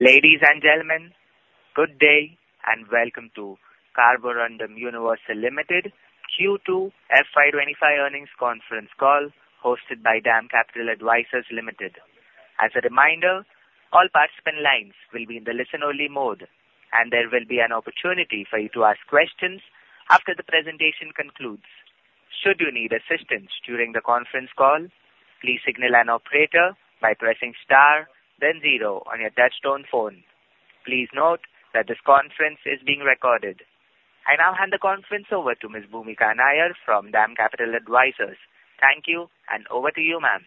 Ladies and gentlemen, good day and welcome to Carborundum Universal Limited Q2 FY25 earnings conference call hosted by DAM Capital Advisors Limited. As a reminder, all participant lines will be in the listen-only mode, and there will be an opportunity for you to ask questions after the presentation concludes. Should you need assistance during the conference call, please signal an operator by pressing star, then zero on your touch-tone phone. Please note that this conference is being recorded. I now hand the conference over to Ms. Bhoomika Nair from DAM Capital Advisors. Thank you, and over to you, ma'am.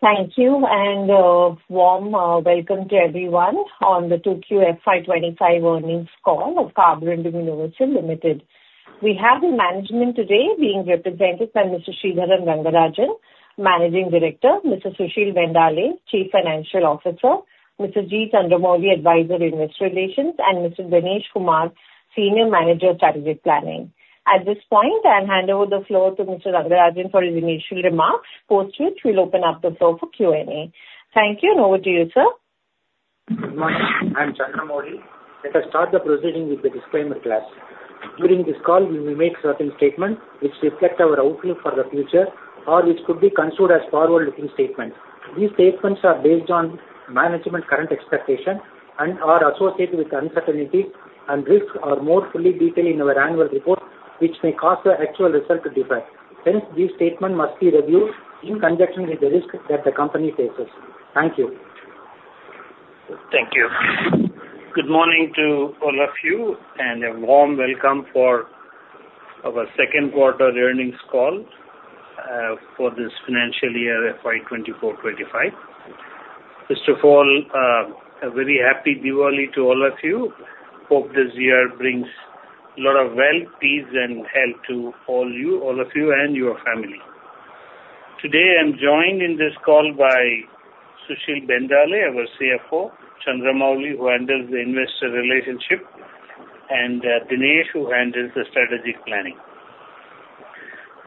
Thank you, and a warm welcome to everyone on the 2Q FY25 earnings call of Carborundum Universal Limited. We have the management today being represented by Mr. Sridharan Rangarajan, Managing Director, Mr. Sushil Bendale, Chief Financial Officer, Mr. G. Chandramouli, Advisor in Investor Relations, and Mr. Ganesh Kumar, Senior Manager, Strategic Planning. At this point, I'll hand over the floor to Mr. Rangarajan for his initial remarks, post which we'll open up the floor for Q&A. Thank you, and over to you, sir. Good morning. I'm Chandramouli. Let us start the proceeding with the disclaimer clause. During this call, we may make certain statements which reflect our outlook for the future or which could be construed as forward-looking statements. These statements are based on management's current expectations and are associated with uncertainties and risks, which are more fully detailed in our annual report, which may cause the actual result to differ. Hence, these statements must be reviewed in conjunction with the risk that the company faces. Thank you. Thank you. Good morning to all of you, and a warm welcome for our Q2 earnings call for this financial year FY24-25. First of all, a very happy Diwali to all of you. Hope this year brings a lot of wealth, peace, and health to all of you and your family. Today, I'm joined in this call by Sushil Bendale, our CFO; Chandramouli, who handles the investor relationship; and Ganesh, who handles the strategic planning.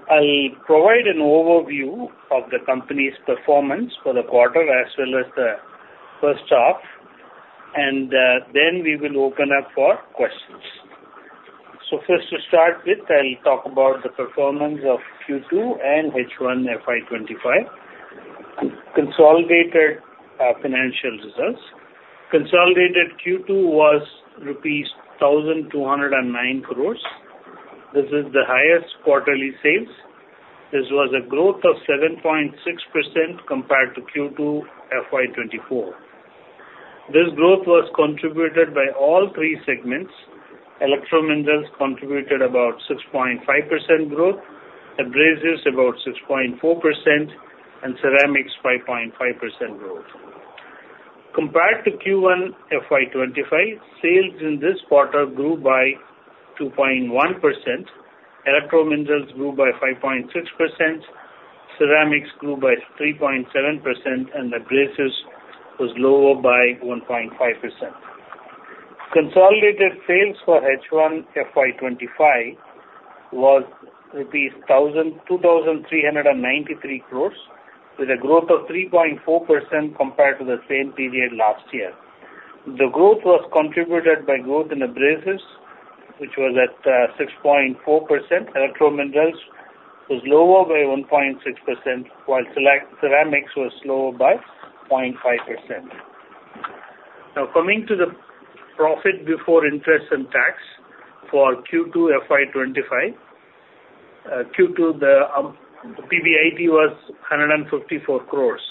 I'll provide an overview of the company's performance for the quarter as well as the first half, and then we will open up for questions. So first, to start with, I'll talk about the performance of Q2 and H1 FY25. Consolidated financial results. Consolidated Q2 was rupees 1,209 crores. This is the highest quarterly sales. This was a growth of 7.6% compared to Q2 FY24. This growth was contributed by all three segments. Minerals contributed about 6.5% growth, abrasives about 6.4%, and ceramics 5.5% growth. Compared to Q1 FY25, sales in this quarter grew by 2.1%, Electro Minerals grew by 5.6%, ceramics grew by 3.7%, and abrasives was lower by 1.5%. Consolidated sales for H1 FY25 was 2,393 crores, with a growth of 3.4% compared to the same period last year. The growth was contributed by growth in abrasives, which was at 6.4%. Electro Minerals was lower by 1.6%, while ceramics was lower by 0.5%. Now, coming to the profit before interest and tax for Q2 FY25, Q2 the PBIT was 154 crores.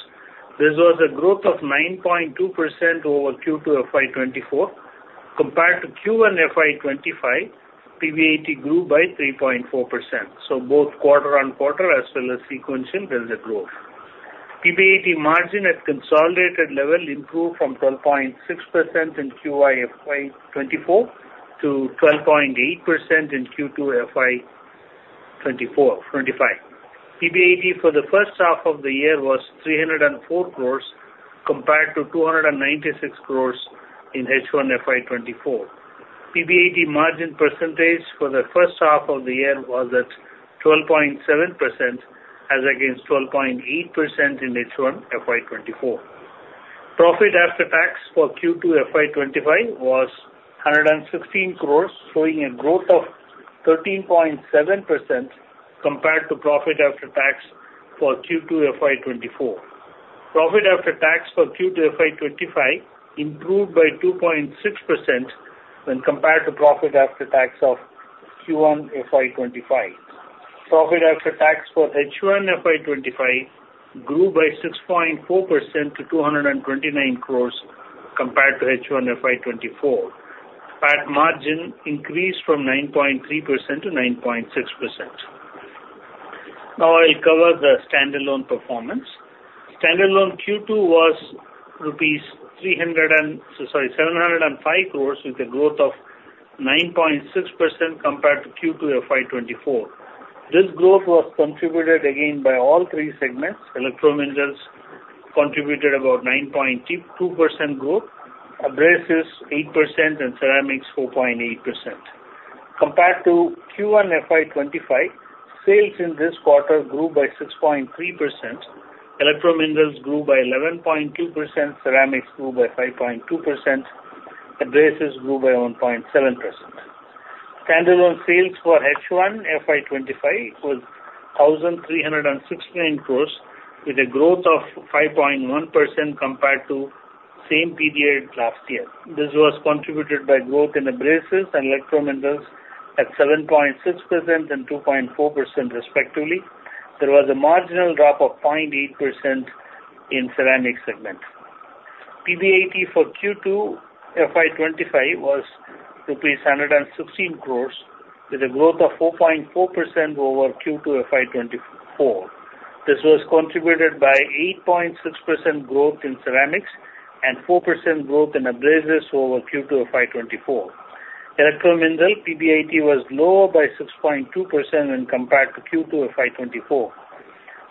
This was a growth of 9.2% over Q2 FY24. Compared to Q1 FY25, PBIT grew by 3.4%. So both quarter-on-quarter as well as sequential, there's a growth. PBIT margin at consolidated level improved from 12.6% in Q1 FY24 to 12.8% in Q2 FY25. PBIT for the first half of the year was 304 crores compared to 296 crores in H1 FY24. PBIT margin percentage for the first half of the year was at 12.7% as against 12.8% in H1 FY24. Profit after tax for Q2 FY25 was 116 crores, showing a growth of 13.7% compared to profit after tax for Q2 FY24. Profit after tax for Q2 FY25 improved by 2.6% when compared to profit after tax of Q1 FY25. Profit after tax for H1 FY25 grew by 6.4% to 229 crores compared to H1 FY24. PAT margin increased from 9.3% to 9.6%. Now, I'll cover the standalone performance. Standalone Q2 was 705 crores rupees, with a growth of 9.6% compared to Q2 FY24. This growth was contributed again by all three segments. Electro Minerals contributed about 9.2% growth, abrasives 8%, and ceramics 4.8%. Compared to Q1 FY25, sales in this quarter grew by 6.3%. Electrominerals grew by 11.2%. Ceramics grew by 5.2%. Abrasives grew by 1.7%. Standalone sales for H1 FY25 was ₹1,316 crores, with a growth of 5.1% compared to same period last year. This was contributed by growth in abrasives and electrominerals at 7.6% and 2.4% respectively. There was a marginal drop of 0.8% in ceramic segment. PBIT for Q2 FY25 was ₹116 crores, with a growth of 4.4% over Q2 FY24. This was contributed by 8.6% growth in ceramics and 4% growth in abrasives over Q2 FY24. Electromineral PBIT was lower by 6.2% when compared to Q2 FY24.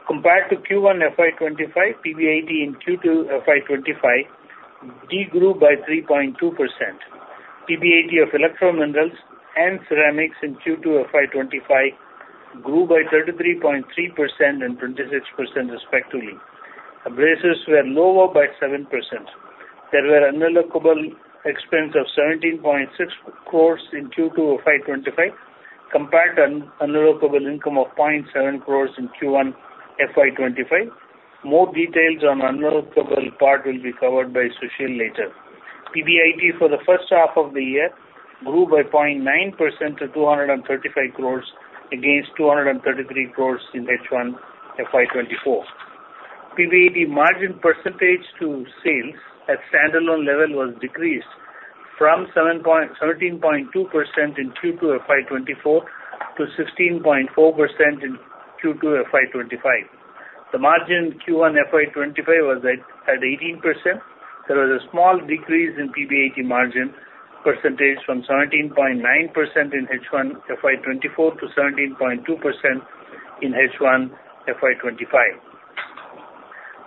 Compared to Q1 FY25, PBIT in Q2 FY25 degrew by 3.2%. PBIT of electrominerals and ceramics in Q2 FY25 grew by 33.3% and 26% respectively. Abrasives were lower by 7%. There were unallocable expenses of ₹17.6 crores in Q2 FY25 compared to unallocable income of ₹0.7 crores in Q1 FY25. More details on unallocable part will be covered by Sushil later. PBIT for the first half of the year grew by 0.9% to ₹235 crores against ₹233 crores in H1 FY24. PBIT margin percentage to sales at standalone level was decreased from 17.2% in Q2 FY24 to 16.4% in Q2 FY25. The margin in Q1 FY25 was at 18%. There was a small decrease in PBIT margin percentage from 17.9% in H1 FY24 to 17.2% in H1 FY25.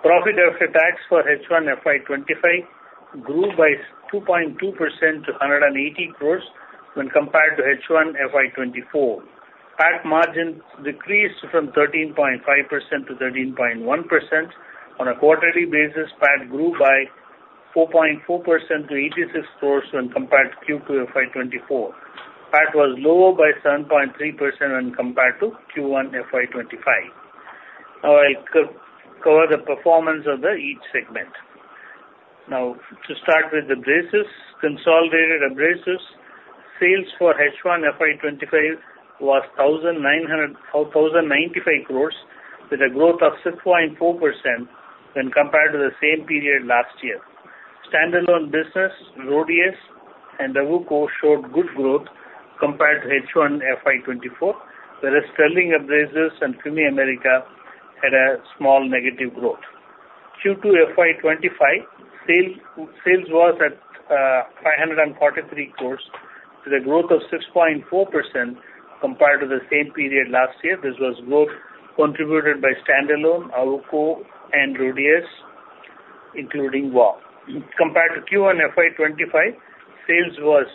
Profit after tax for H1 FY25 grew by 2.2% to ₹180 crores when compared to H1 FY24. PAT margin decreased from 13.5% to 13.1%. On a quarterly basis, PAT grew by 4.4% to ₹86 crores when compared to Q2 FY24. PAT was lower by 7.3% when compared to Q1 FY25. Now, I'll cover the performance of each segment. Now, to start with abrasives. Consolidated abrasives sales for H1 FY25 was ₹1,995 crores, with a growth of 6.4% when compared to the same period last year. Standalone business, Rhodius, and Awuko showed good growth compared to H1 FY24, whereas Sterling Abrasives and CUMI America had a small negative growth. Q2 FY25 sales was at ₹543 crores, with a growth of 6.4% compared to the same period last year. This was growth contributed by standalone, Awuko, and Rhodius, including VAW. Compared to Q1 FY25, sales was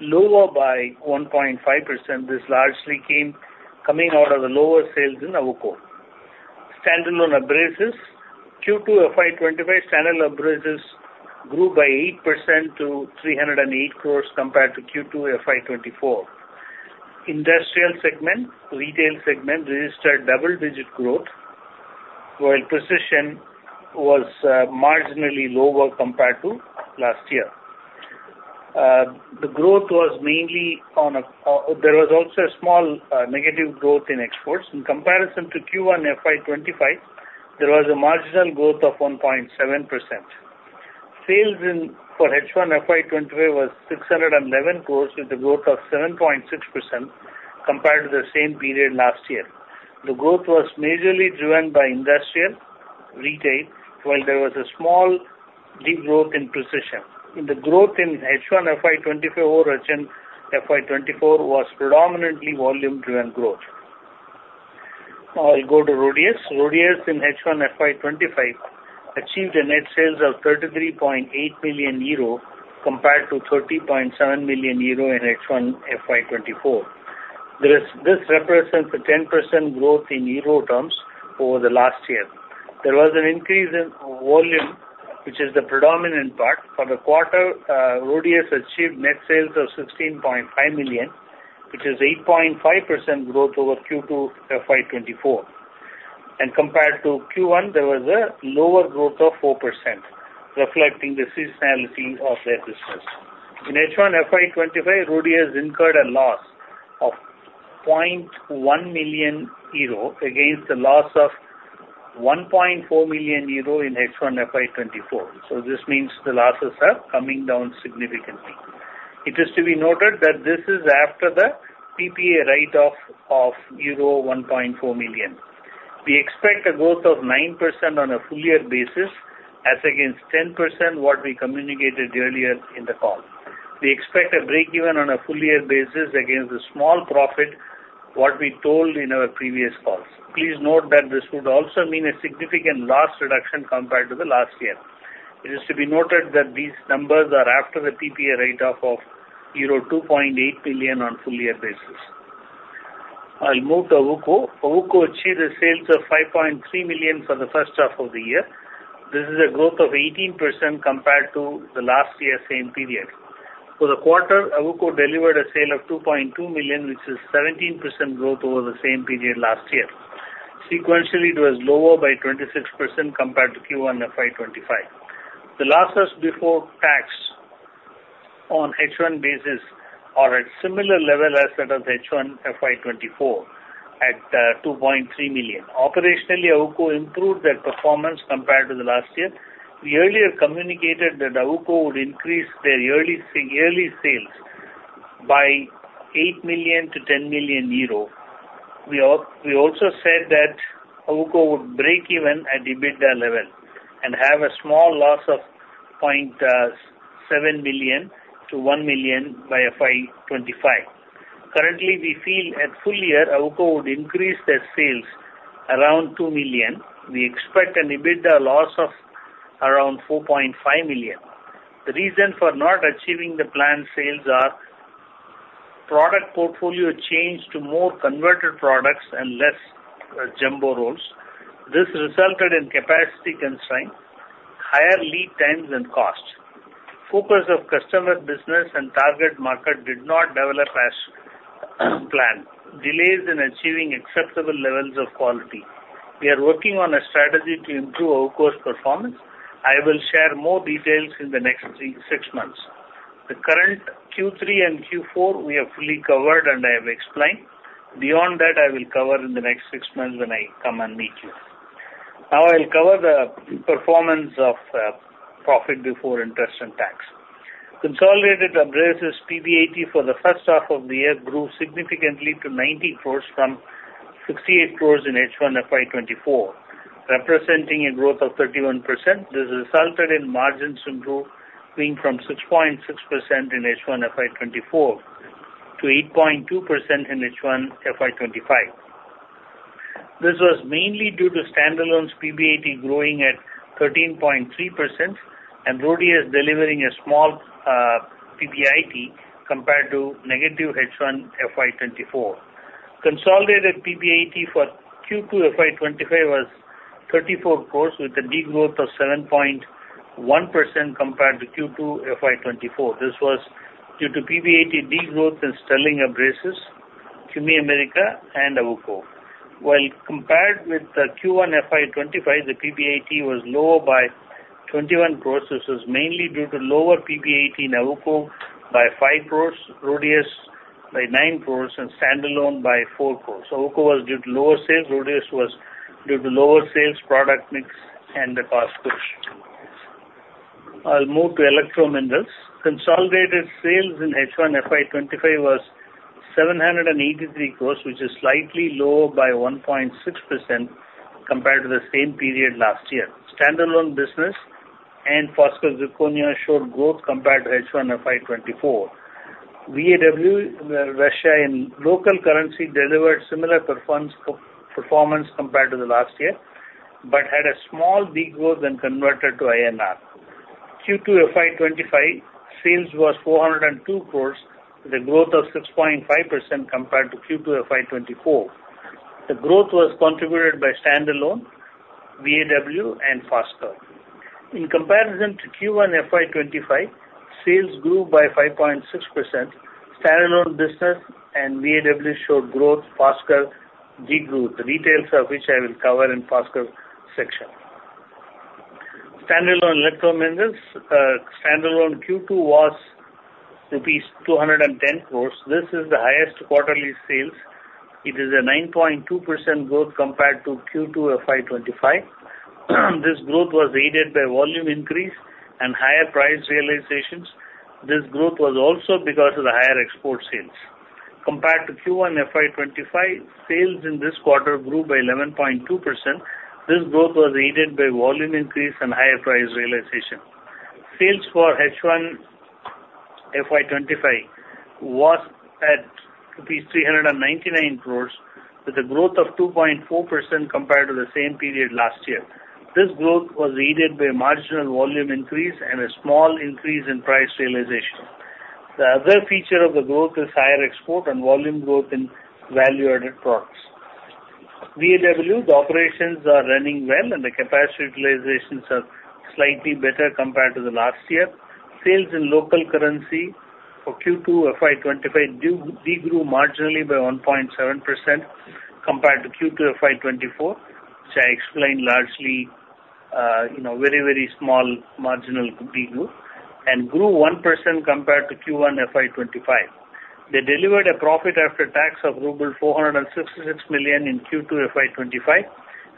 lower by 1.5%. This largely came out of the lower sales in Awuko. Standalone abrasives. Q2 FY25, standalone abrasives grew by 8% to ₹308 crores compared to Q2 FY24. Industrial segment, retail segment registered double-digit growth, while precision was marginally lower compared to last year. The growth was mainly on a there was also a small negative growth in exports. In comparison to Q1 FY25, there was a marginal growth of 1.7%. Sales for H1 FY25 was ₹611 crores, with a growth of 7.6% compared to the same period last year. The growth was majorly driven by industrial retail, while there was a small degrowth in precision. The growth in H1 FY25 over H1 FY24 was predominantly volume-driven growth. Now, I'll go to Rhodius. Rhodius in H1 FY25 achieved a net sales of €33.8 million compared to €30.7 million in H1 FY24. This represents a 10% growth in euro terms over the last year. There was an increase in volume, which is the predominant part. For the quarter, Rhodius achieved net sales of €16.5 million, which is 8.5% growth over Q2 FY24. And compared to Q1, there was a lower growth of 4%, reflecting the seasonality of their business. In H1 FY25, Rhodius incurred a loss of 0.1 million euro against a loss of 1.4 million euro in H1 FY24. So this means the losses are coming down significantly. It is to be noted that this is after the PPA write-off of euro 1.4 million. We expect a growth of 9% on a full-year basis as against 10%, what we communicated earlier in the call. We expect a break-even on a full-year basis against the small profit, what we told in our previous calls. Please note that this would also mean a significant loss reduction compared to the last year. It is to be noted that these numbers are after the PPA write-off of euro 2.8 million on a full-year basis. I'll move to Awuko. Awuko achieved a sales of 5.3 million for the first half of the year. This is a growth of 18% compared to the last year's same period. For the quarter, Awuko delivered a sale of 2.2 million, which is 17% growth over the same period last year. Sequentially, it was lower by 26% compared to Q1 FY25. The losses before tax on H1 basis are at similar level as that of H1 FY24 at 2.3 million. Operationally, Awuko improved their performance compared to the last year. We earlier communicated that Awuko would increase their yearly sales by INR8-INR10 million. We also said that Awuko would break even at EBITDA level and have a small loss of INR0.7-INR1 million by FY25. Currently, we feel at full year, Awuko would increase their sales around 2 million. We expect an EBITDA loss of around 4.5 million. The reason for not achieving the planned sales are product portfolio changes to more converted products and less jumbo rolls. This resulted in capacity constraint, higher lead times, and cost. Focus of customer business and target market did not develop as planned. Delays in achieving acceptable levels of quality. We are working on a strategy to improve Awuko's performance. I will share more details in the next six months. The current Q3 and Q4 we have fully covered, and I have explained. Beyond that, I will cover in the next six months when I come and meet you. Now, I'll cover the performance of profit before interest and tax. Consolidated abrasives PBIT for the first half of the year grew significantly to 90 crores from 68 crores in H1 FY24, representing a growth of 31%. This resulted in margins improving, being from 6.6% in H1 FY24 to 8.2% in H1 FY25. This was mainly due to standalone's PBIT growing at 13.3%, and Rhodius delivering a small PBIT compared to negative H1 FY24. Consolidated PBIT for Q2 FY25 was 34 crores, with a degrowth of 7.1% compared to Q2 FY24. This was due to PBIT degrowth in Sterling Abrasives, CUMI America, and Awuko. While compared with Q1 FY25, the PBIT was lower by 21 crores. This was mainly due to lower PBIT in Awuko by 5 crores, Rhodius by 9 crores, and standalone by 4 crores. Awuko was due to lower sales. Rhodius was due to lower sales, product mix, and the cost crores. I'll move to electrominerals. Consolidated sales in H1 FY25 was 783 crores, which is slightly lower by 1.6% compared to the same period last year. Standalone business and Foskor Zirconia showed growth compared to H1 FY24. VAW Russia in local currency delivered similar performance compared to the last year but had a small degrowth and converted to INR. Q2 FY25 sales was 402 crores, with a growth of 6.5% compared to Q2 FY24. The growth was contributed by standalone, VAW, and Foskor. In comparison to Q1 FY25, sales grew by 5.6%. Standalone business and VAW showed growth, Foskor degrowth. Details of which I will cover in Foskor section. Standalone Electro Minerals. Standalone Q2 was rupees 210 crores. This is the highest quarterly sales. It is a 9.2% growth compared to Q2 FY25. This growth was aided by volume increase and higher price realizations. This growth was also because of the higher export sales. Compared to Q1 FY25, sales in this quarter grew by 11.2%. This growth was aided by volume increase and higher price realization. Sales for H1 FY25 was at rupees 399 crores, with a growth of 2.4% compared to the same period last year. This growth was aided by marginal volume increase and a small increase in price realization. The other feature of the growth is higher export and volume growth in value-added products. VAW, the operations are running well, and the capacity utilizations are slightly better compared to the last year. Sales in local currency for Q2 FY25 degrew marginally by 1.7% compared to Q2 FY24, which I explained largely very, very small marginal degrowth, and grew 1% compared to Q1 FY25. They delivered a profit after tax of INR 466 million in Q2 FY25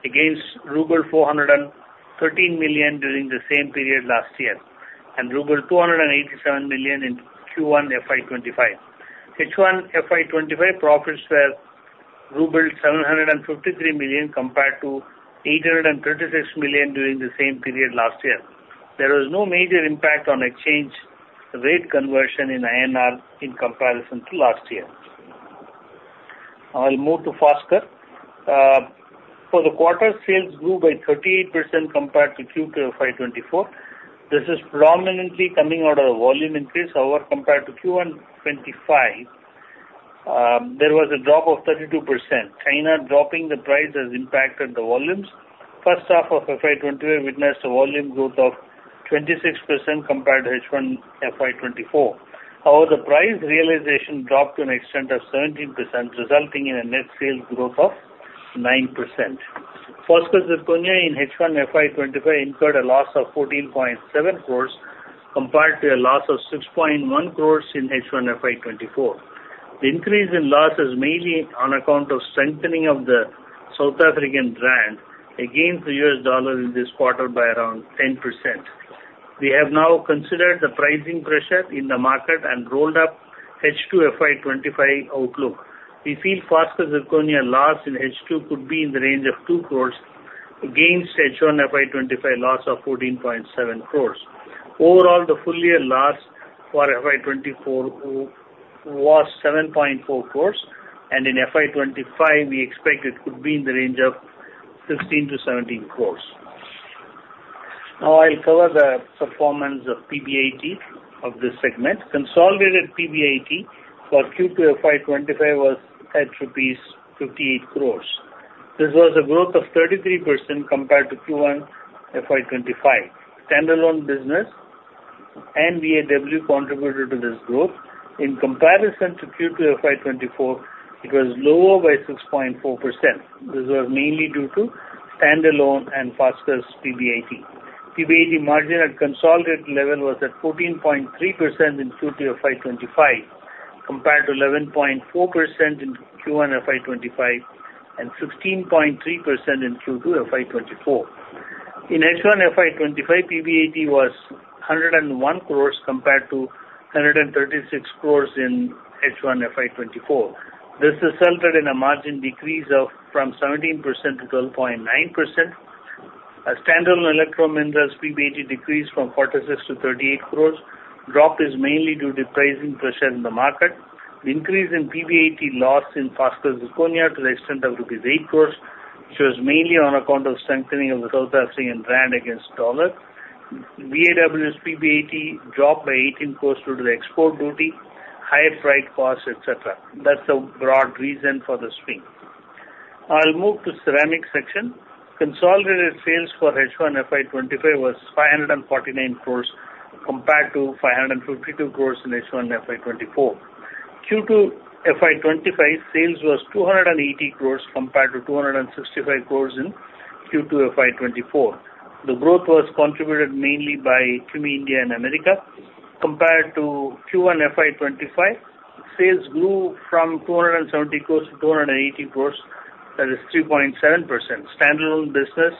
against INR 413 million during the same period last year and INR 287 million in Q1 FY25. H1 FY25 profits were 753 million compared to 836 million during the same period last year. There was no major impact on exchange rate conversion in INR in comparison to last year. I'll move to Foskor. For the quarter, sales grew by 38% compared to Q2 FY24. This is predominantly coming out of the volume increase. However, compared to Q1 FY25, there was a drop of 32%. China dropping the price has impacted the volumes. First half of FY25 witnessed a volume growth of 26% compared to H1 FY24. However, the price realization dropped to an extent of 17%, resulting in a net sales growth of 9%. Foskor Zirconia in H1 FY25 incurred a loss of 14.7 crores compared to a loss of 6.1 crores in H1 FY24. The increase in loss is mainly on account of strengthening of the South African Rand against the U.S. dollar in this quarter by around 10%. We have now considered the pricing pressure in the market and rolled up H2 FY25 outlook. We feel Foskor Zirconia loss in H2 could be in the range of 2 crores against H1 FY25 loss of 14.7 crores. Overall, the full-year loss for FY24 was 7.4 crores, and in FY25, we expect it could be in the range of INR16-INR17 crores. Now, I'll cover the performance of PBIT of this segment. Consolidated PBIT for Q2 FY25 was at rupees 58 crores. This was a growth of 33% compared to Q1 FY25. Standalone business and VAW contributed to this growth. In comparison to Q2 FY24, it was lower by 6.4%. This was mainly due to standalone and Foskor PBIT. PBIT margin at consolidated level was at 14.3% in Q2 FY25 compared to 11.4% in Q1 FY25 and 16.3% in Q2 FY24. In H1 FY25, PBIT was 101 crores compared to 136 crores in H1 FY24. This resulted in a margin decrease from 17% to 12.9%. Standalone electrominerals PBIT decreased from 46 to 38 crores. Drop is mainly due to pricing pressure in the market. The increase in PBIT loss in Foskor Zirconia to the extent of 8 crores was mainly on account of strengthening of the South African Rand against dollar. VAW's PBIT dropped by 18 crores due to the export duty, higher flight costs, etc. That's a broad reason for the swing. I'll move to ceramics section. Consolidated sales for H1 FY25 was 549 crores compared to 552 crores in H1 FY24. Q2 FY25 sales was 280 crores compared to 265 crores in Q2 FY24. The growth was contributed mainly by CUMI India and America. Compared to Q1 FY25, sales grew from 270 crores to 280 crores, that is 3.7%. Standalone business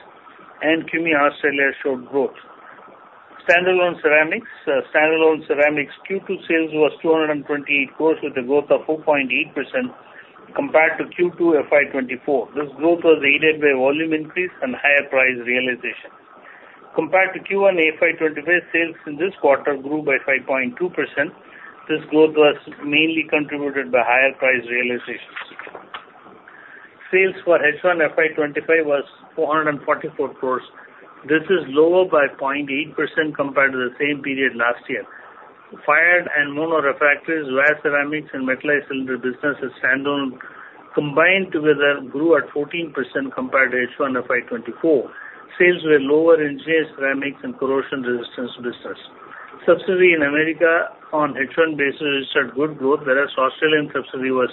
and CUMI Australia showed growth. Standalone ceramics Q2 sales was 228 crores with a growth of 4.8% compared to Q2 FY24. This growth was aided by volume increase and higher price realization. Compared to Q1 FY25, sales in this quarter grew by 5.2%. This growth was mainly contributed by higher price realization. Sales for H1 FY25 was 444 crores. This is lower by 0.8% compared to the same period last year. Fired and monorefractories, glass ceramics, and metallized cylinders business as standalone combined together grew at 14% compared to H1 FY24. Sales were lower in engineered ceramics and corrosion resistance business. CUMI America on H1 basis showed good growth, whereas CUMI Australia was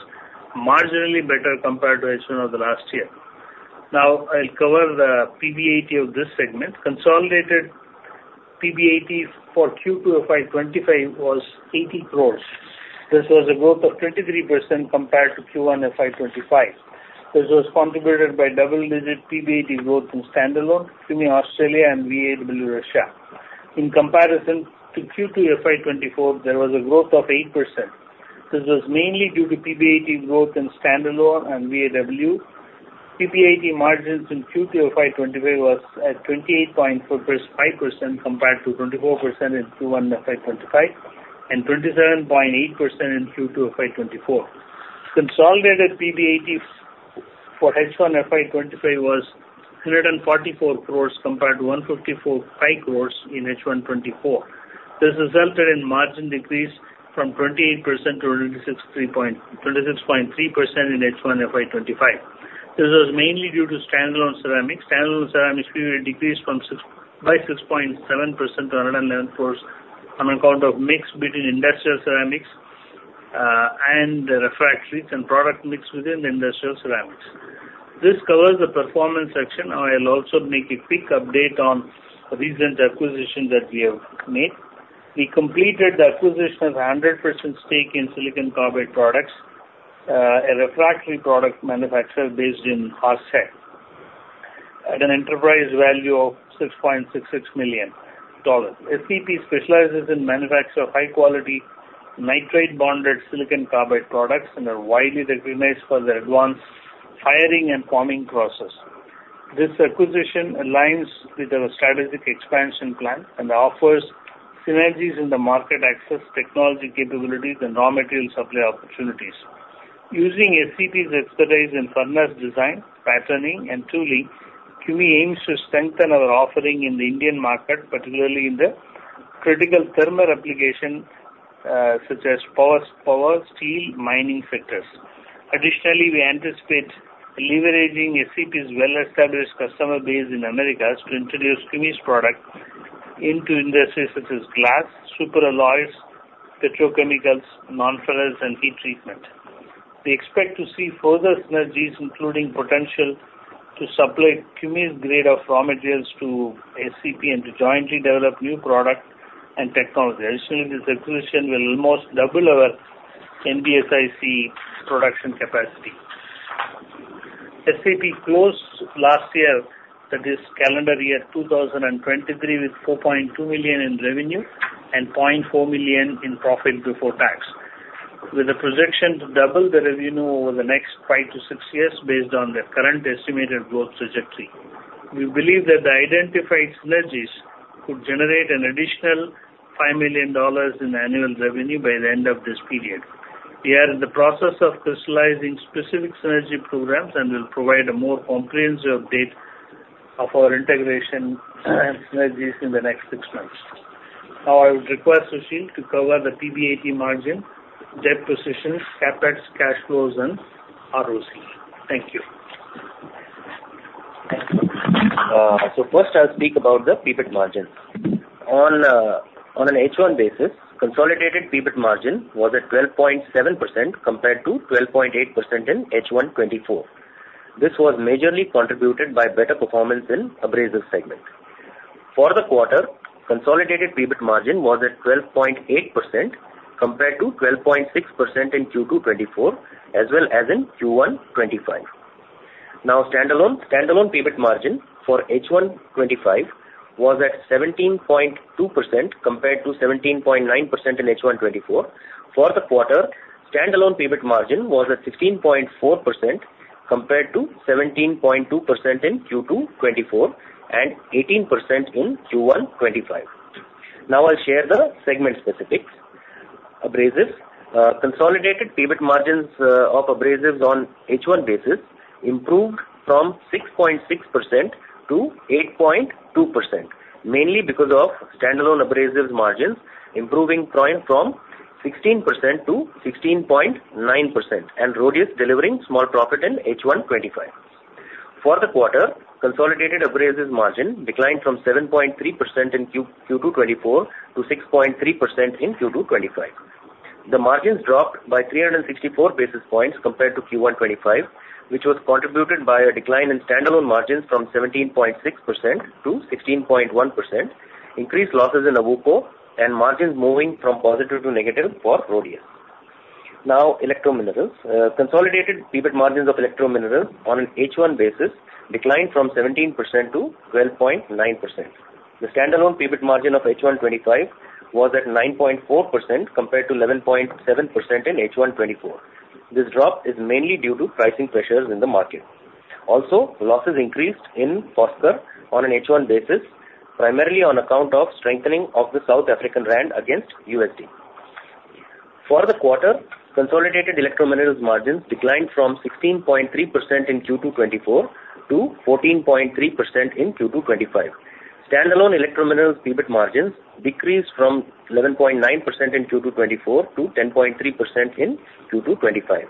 marginally better compared to H1 of the last year. Now, I'll cover the PBIT of this segment. Consolidated PBIT for Q2 FY25 was ₹80 crores. This was a growth of 23% compared to Q1 FY25. This was contributed by double-digit PBIT growth in standalone, CUMI Australia, and VAW Russia. In comparison to Q2 FY24, there was a growth of 8%. This was mainly due to PBIT growth in standalone and VAW. PBIT margins in Q2 FY25 was at 28.45% compared to 24% in Q1 FY25 and 27.8% in Q2 FY24. Consolidated PBIT for H1 FY25 was 144 crores compared to 154 crores in H1 FY24. This resulted in margin decrease from 28% to 26.3% in H1 FY25. This was mainly due to standalone ceramics. Standalone ceramics PBIT decreased by 6.7% to 111 crores on account of mix between industrial ceramics and refractories and product mix within the industrial ceramics. This covers the performance section. I'll also make a quick update on recent acquisition that we have made. We completed the acquisition of 100% stake in Silicon Carbide Products, a refractory product manufacturer based in Horseheads, at an enterprise value of INR 6.66 million. SCP specializes in manufacturing of high-quality nitride-bonded silicon carbide products and are widely recognized for their advanced firing and forming process. This acquisition aligns with our strategic expansion plan and offers synergies in the market access, technology capabilities, and raw material supply opportunities. Using SCP's expertise in furnace design, patterning, and tooling, CUMI aims to strengthen our offering in the Indian market, particularly in the critical thermal applications such as power, steel, and mining sectors. Additionally, we anticipate leveraging SCP's well-established customer base in America to introduce CUMI's product into industries such as glass, superalloys, petrochemicals, non-ferrous, and heat treatment. We expect to see further synergies, including potential to supply CUMI's grade of raw materials to SCP and to jointly develop new products and technologies. Additionally, this acquisition will almost double our NBSIC production capacity. SCP closed last year, that is calendar year 2023, with 4.2 million in revenue and 0.4 million in profit before tax, with a projection to double the revenue over the next five to six years based on the current estimated growth trajectory. We believe that the identified synergies could generate an additional $5 million in annual revenue by the end of this period. We are in the process of crystallizing specific synergy programs and will provide a more comprehensive update of our integration and synergies in the next six months. Now, I would request Sushil to cover the PBIT margin, debt positions, CapEx, cash flows, and ROC. Thank you. Thank you. So first, I'll speak about the PBIT margin. On an H1 basis, consolidated PBIT margin was at 12.7% compared to 12.8% in H1 24. This was majorly contributed by better performance in Abrasives segment. For the quarter, consolidated PBIT margin was at 12.8% compared to 12.6% in Q2 2024, as well as in Q1 2025. Now, standalone PBIT margin for H1 2025 was at 17.2% compared to 17.9% in H1 2024. For the quarter, standalone PBIT margin was at 16.4% compared to 17.2% in Q2 2024 and 18% in Q1 2025. Now, I'll share the segment specifics. Abrasives, consolidated PBIT margins of Abrasives on H1 basis improved from 6.6% to 8.2%, mainly because of standalone Abrasives margins improving from 16% to 16.9%. Rhodius is delivering small profit in H1 2025. For the quarter, consolidated Abrasives margin declined from 7.3% in Q2 2024 to 6.3% in Q2 2025. The margins dropped by 364 basis points compared to Q1 2025, which was contributed by a decline in standalone margins from 17.6% to 16.1%, increased losses in Awuko, and margins moving from positive to negative for Rhodius. Now, Electrominerals, consolidated PBIT margins of Electrominerals on an H1 basis declined from 17% to 12.9%. The standalone PBIT margin of H1 2025 was at 9.4% compared to 11.7% in H1 2024. This drop is mainly due to pricing pressures in the market. Also, losses increased in Foskor on an H1 basis, primarily on account of strengthening of the South African Rand against USD. For the quarter, consolidated Electrominerals margins declined from 16.3% in Q2 2024 to 14.3% in Q2 2025. Standalone Electrominerals PBIT margins decreased from 11.9% in Q2 2024 to 10.3% in Q2 2025.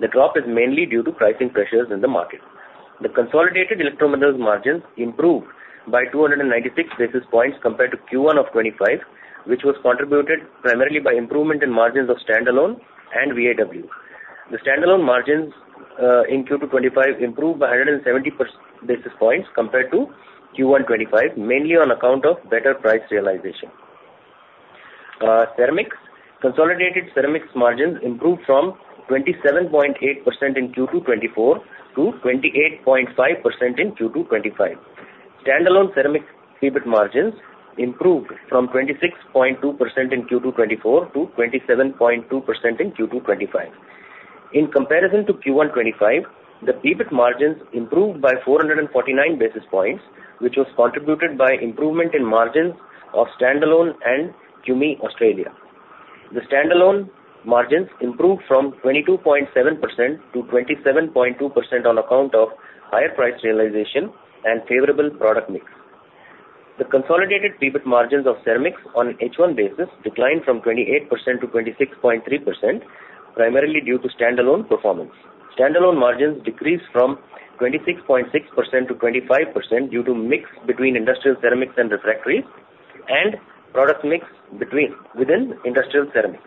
The drop is mainly due to pricing pressures in the market. The consolidated electrominerals margins improved by 296 basis points compared to Q1 of 2025, which was contributed primarily by improvement in margins of standalone and VAW. The standalone margins in Q2 2025 improved by 170 basis points compared to Q1 2025, mainly on account of better price realization. Ceramics. Consolidated ceramics margins improved from 27.8% in Q2 2024 to 28.5% in Q2 2025. Standalone ceramics PBIT margins improved from 26.2% in Q2 2024 to 27.2% in Q2 2025. In comparison to Q1 2025, the PBIT margins improved by 449 basis points, which was contributed by improvement in margins of standalone and CUMI Australia. The standalone margins improved from 22.7% to 27.2% on account of higher price realization and favorable product mix. The consolidated PBIT margins of ceramics on an H1 basis declined from 28% to 26.3%, primarily due to standalone performance. Standalone margins decreased from 26.6% to 25% due to mix between industrial ceramics and refractories and product mix within industrial ceramics.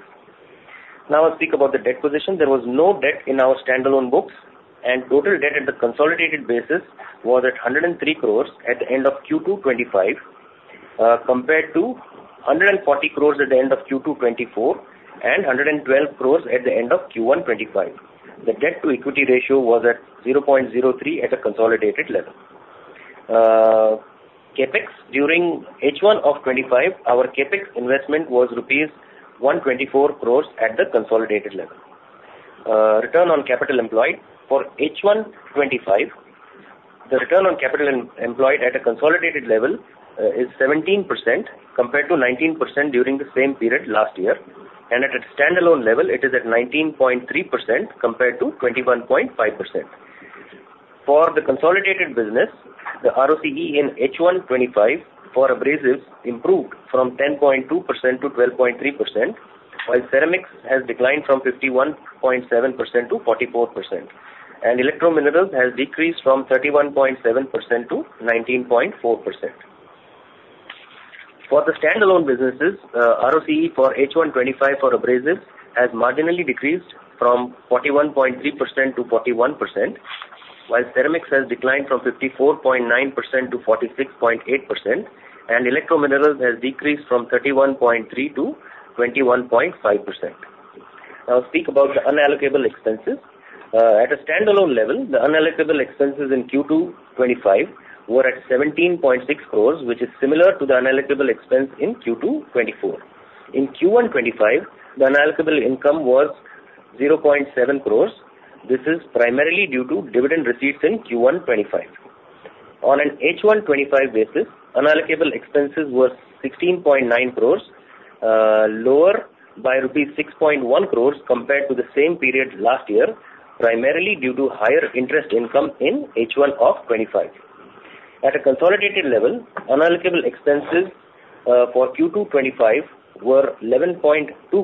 Now, I'll speak about the debt position. There was no debt in our standalone books, and total debt at the consolidated basis was at 103 crores at the end of Q2 2025, compared to 140 crores at the end of Q2 2024 and 112 crores at the end of Q1 2025. The debt-to-equity ratio was at 0.03 at the consolidated level. CapEx during H1 of 2025, our CapEx investment was ₹124 crores at the consolidated level. Return on capital employed for H1 2025, the return on capital employed at a consolidated level is 17% compared to 19% during the same period last year, and at a standalone level, it is at 19.3% compared to 21.5%. For the consolidated business, the ROCE in H1 2025 for abrasives improved from 10.2% to 12.3%, while ceramics has declined from 51.7% to 44%, and electrominerals has decreased from 31.7% to 19.4%. For the standalone businesses, ROCE for H1 2025 for abrasives has marginally decreased from 41.3% to 41%, while ceramics has declined from 54.9% to 46.8%, and electrominerals has decreased from 31.3% to 21.5%. Now, I'll speak about the unallocable expenses. At a standalone level, the unallocable expenses in Q2 2025 were at 17.6 crores, which is similar to the unallocable expense in Q2 2024. In Q1 2025, the unallocable income was 0.7 crores. This is primarily due to dividend receipts in Q1 2025. On an H1 2025 basis, unallocable expenses were 16.9 crores, lower by INR6.1 crores compared to the same period last year, primarily due to higher interest income in H1 2025. At a consolidated level, unallocable expenses for Q2 25 were 11.2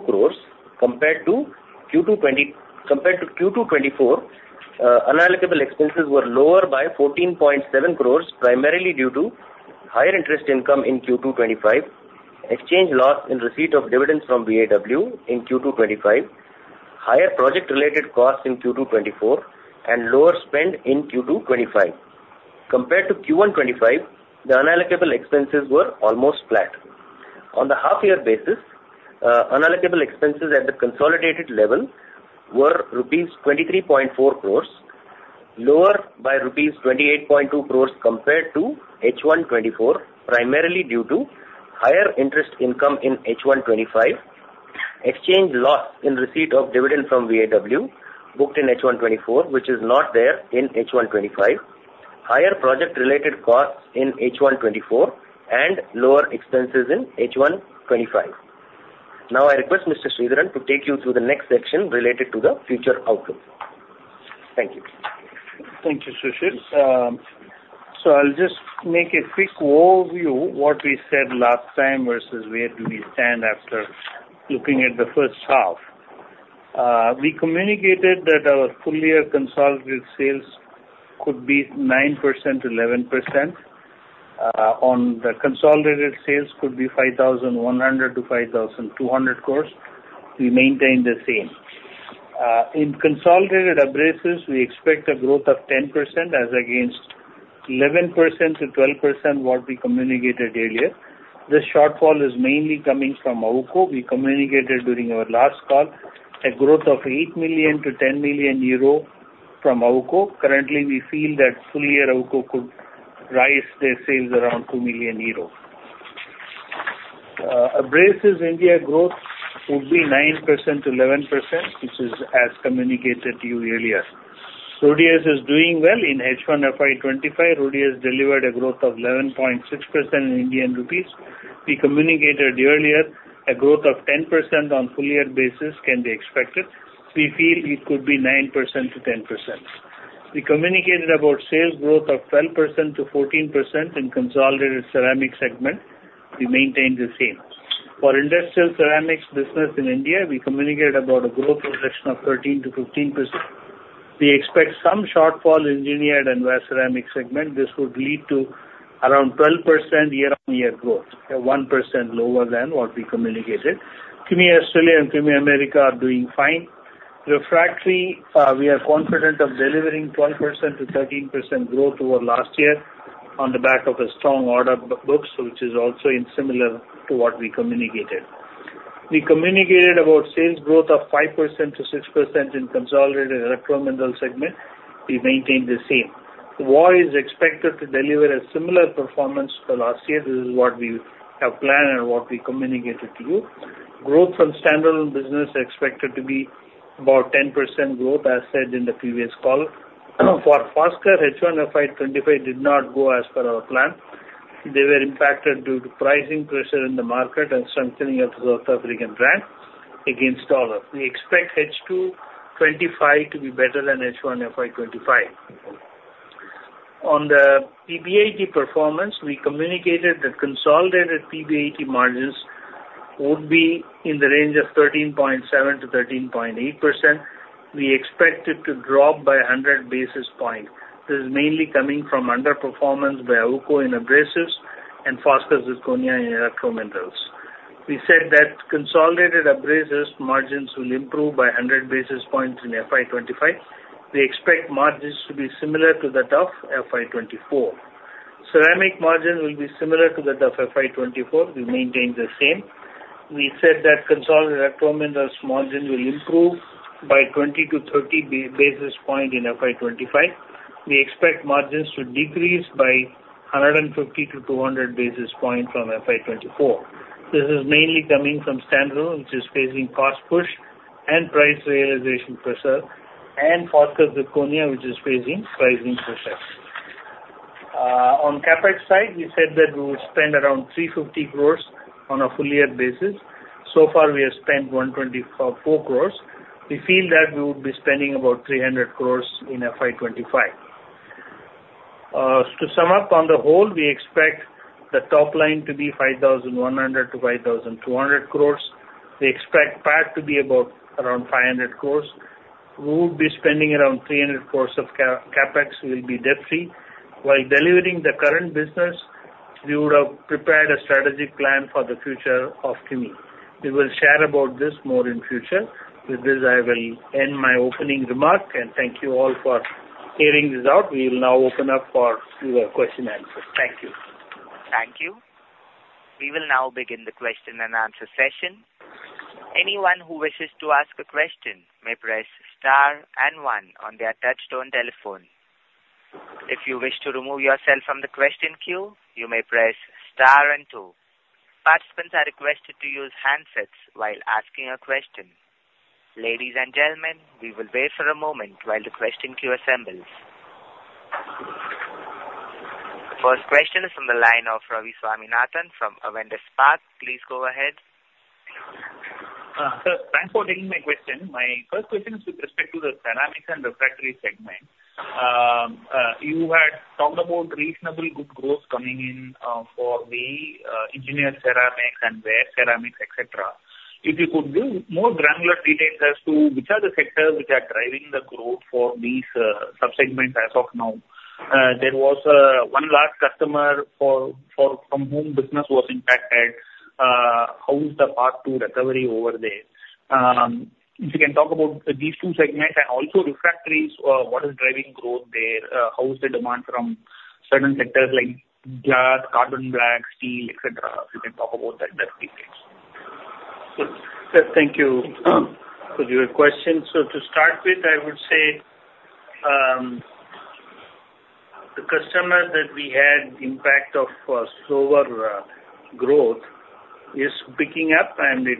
crores compared to Q2 24. Unallocable expenses were lower by 14.7 crores, primarily due to higher interest income in Q2 25, exchange loss in receipt of dividends from VAW in Q2 25, higher project-related costs in Q2 24, and lower spend in Q2 25. Compared to Q1 25, the unallocable expenses were almost flat. On the half-year basis, unallocable expenses at the consolidated level were rupees 23.4 crores, lower by rupees 28.2 crores compared to H1 24, primarily due to higher interest income in H1 25, exchange loss in receipt of dividend from VAW booked in H1 24, which is not there in H1 25, higher project-related costs in H1 24, and lower expenses in H1 25. Now, I request Mr. Sridharan to take you through the next section related to the future outlook. Thank you. Thank you, Sushil. I'll just make a quick overview of what we said last time versus where we stand after looking at the first half. We communicated that our full-year consolidated sales could be 9%-11%. On the consolidated sales, it could be INR5,100-INR5,200 crores. We maintain the same. In consolidated abrasives, we expect a growth of 10% as against 11%-12%, what we communicated earlier. This shortfall is mainly coming from Awuko. We communicated during our last call a growth of 8 million-INR10 million from Awuko. Currently, we feel that full-year Awuko could rise their sales around INR2 million. Abrasives India growth would be 9%-11%, which is as communicated to you earlier. Rhodius is doing well in H1 FY 25. Rhodius has delivered a growth of 11.6% in Indian rupees. We communicated earlier a growth of 10% on a full-year basis can be expected. We feel it could be 9%-10%. We communicated about sales growth of 12%-14% in consolidated ceramic segment. We maintain the same. For industrial ceramics business in India, we communicated about a growth projection of 13%-15%. We expect some shortfall in India and ceramic segment. This would lead to around 12% year-on-year growth, 1% lower than what we communicated. CUMI Australia and CUMI America are doing fine. Refractory, we are confident of delivering 12%-13% growth over last year on the back of a strong order books, which is also similar to what we communicated. We communicated about sales growth of 5%-6% in consolidated electromineral segment. We maintain the same. VAW is expected to deliver a similar performance to last year. This is what we have planned and what we communicated to you. Growth from standalone business is expected to be about 10% growth, as said in the previous call. For Foskor, H1 FY 25 did not go as per our plan. They were impacted due to pricing pressure in the market and strengthening of the South African Rand against dollar. We expect H2 25 to be better than H1 FY 25. On the PBIT performance, we communicated that consolidated PBIT margins would be in the range of 13.7%-13.8%. We expect it to drop by 100 basis points. This is mainly coming from underperformance by Awuko in abrasives and Foskor Zirconia in electrominerals. We said that consolidated abrasives margins will improve by 100 basis points in FY 25. We expect margins to be similar to that of FY 24. Ceramic margins will be similar to that of FY 24. We maintain the same. We said that consolidated electrominerals margins will improve by 20 to 30 basis points in FY 25. We expect margins to decrease by 150 to 200 basis points from FY 24. This is mainly coming from standalone, which is facing cost push and price realization pressure, and Foskor Zirconia, which is facing pricing pressure. On CapEx side, we said that we would spend around 350 crores on a full-year basis. So far, we have spent 124 crores. We feel that we would be spending about 300 crores in FY 25. To sum up on the whole, we expect the top line to be 5,100-5,200 crores. We expect PAT to be about 500 crores. We would be spending around 300 crores of CapEx. We will be debt-free. While delivering the current business, we would have prepared a strategic plan for the future of CUMI. We will share about this more in the future. With this, I will end my opening remark, and thank you all for hearing this out. We will now open up for your question and answer. Thank you. Thank you. We will now begin the question and answer session. Anyone who wishes to ask a question may press star and one on their touch-tone telephone. If you wish to remove yourself from the question queue, you may press star and two. Participants are requested to use handsets while asking a question. Ladies and gentlemen, we will wait for a moment while the question queue assembles. First question is from the line of Ravi Swaminathan from Avendus Spark. Please go ahead. Thanks for taking my question. My first question is with respect to the ceramics and refractory segment. You had talked about reasonably good growth coming in for the engineered ceramics and rare ceramics, etc. If you could give more granular details as to which are the sectors which are driving the growth for these subsegments as of now? There was one large customer from whom business was impacted. How is the path to recovery over there? If you can talk about these two segments and also refractories, what is driving growth there? How is the demand from certain sectors like glass, carbon black, steel, etc.? If you can talk about that, that's the case. Thank you for your question. So to start with, I would say the customer that we had impact of slower growth is picking up, and the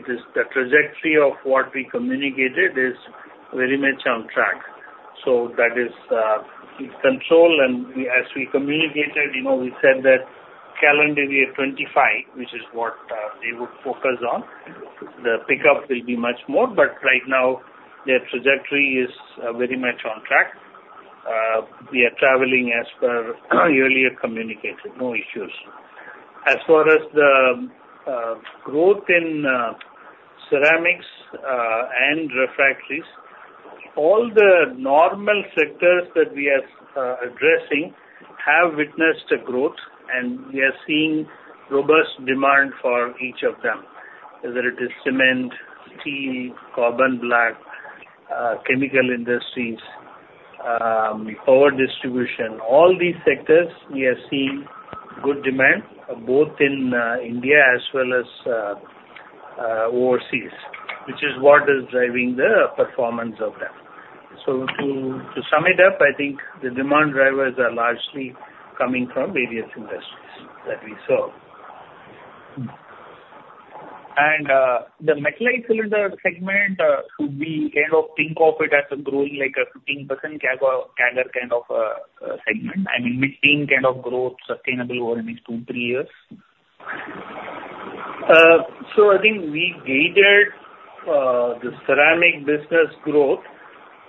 trajectory of what we communicated is very much on track. So that is under control. As we communicated, we said that calendar year 2025, which is what they would focus on, the pickup will be much more. Right now, their trajectory is very much on track. We are traveling as per earlier communicated. No issues. As far as the growth in ceramics and refractories, all the normal sectors that we are addressing have witnessed a growth, and we are seeing robust demand for each of them, whether it is cement, steel, carbon black, chemical industries, power distribution. All these sectors, we are seeing good demand both in India as well as overseas, which is what is driving the performance of them. To sum it up, I think the demand drivers are largely coming from various industries that we saw. The metallized cylinder segment, we kind of think of it as growing like a 15% kind of segment, I mean, maintaining kind of growth sustainably over the next two, three years. So I think we gathered the ceramic business growth,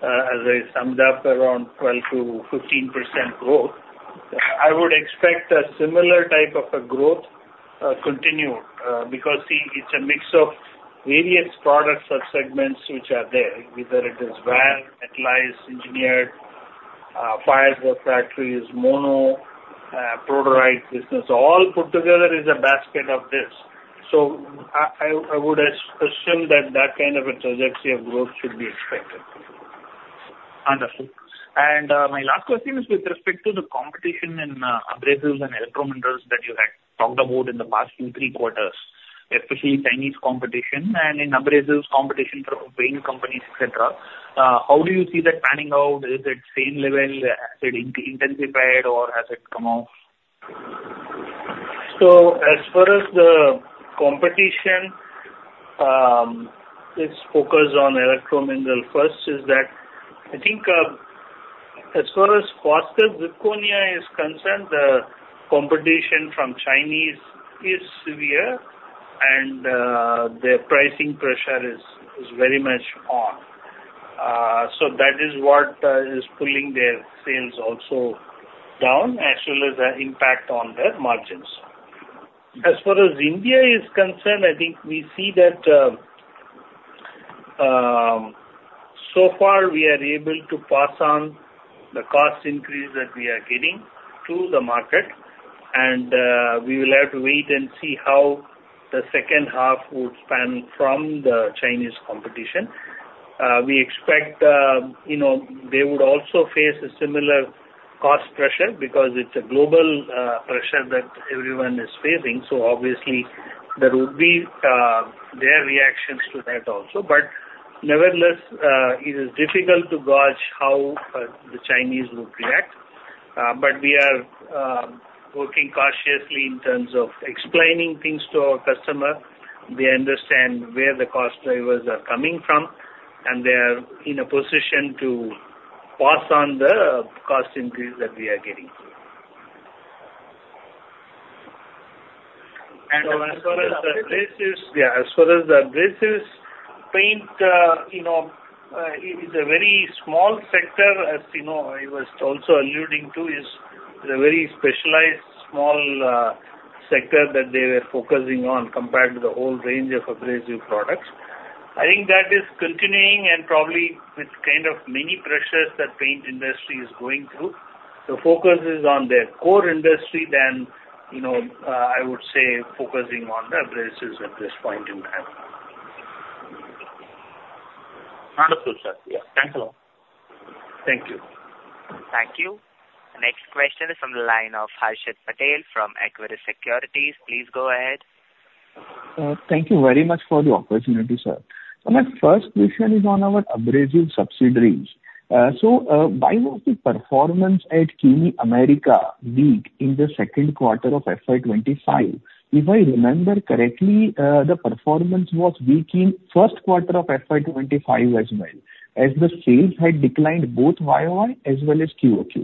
as I summed up, around 12%-15% growth. I would expect a similar type of growth continued because, see, it is a mix of various products or segments which are there, whether it is wire, metallics, engineered, fired refractories, mono, proto-rights business. All put together is a basket of this. So I would assume that that kind of a trajectory of growth should be expected. Understood. My last question is with respect to the competition in abrasives and electrominerals that you had talked about in the past Q2,3, especially Chinese competition and in abrasives competition from the wind companies, etc. How do you see that panning out? Is it same level as it intensified, or has it come off? So as far as the competition is focused on electrominerals first, that is, I think, as far as Foskor Zirconia is concerned, the competition from Chinese is severe, and their pricing pressure is very much on. So that is what is pulling their sales also down, as well as the impact on their margins. As far as India is concerned, I think we see that so far we are able to pass on the cost increase that we are getting to the market, and we will have to wait and see how the second half would pan out from the Chinese competition. We expect they would also face a similar cost pressure because it is a global pressure that everyone is facing. So obviously, there would be their reactions to that also. But nevertheless, it is difficult to gauge how the Chinese would react. But we are working cautiously in terms of explaining things to our customer. They understand where the cost drivers are coming from, and they are in a position to pass on the cost increase that we are getting. And as far as the abrasives, yeah, as far as the abrasives paint, it's a very small sector, as you know I was also alluding to. It's a very specialized small sector that they were focusing on compared to the whole range of abrasive products. I think that is continuing and probably with kind of many pressures that the paint industry is going through. The focus is on their core industry than I would say focusing on the abrasives at this point in time. Understood, sir. Yeah. Thanks a lot. Thank you. Thank you. Next question is from the line of Harshad Patel from Equirus Securities. Please go ahead. Thank you very much for the opportunity, sir. My first question is on our abrasive subsidiaries. So why was the performance at CUMI America weak in the Q2 of FY 25? If I remember correctly, the performance was weak in the Q1 of FY 25 as well, as the sales had declined both YoY as well as QoQ.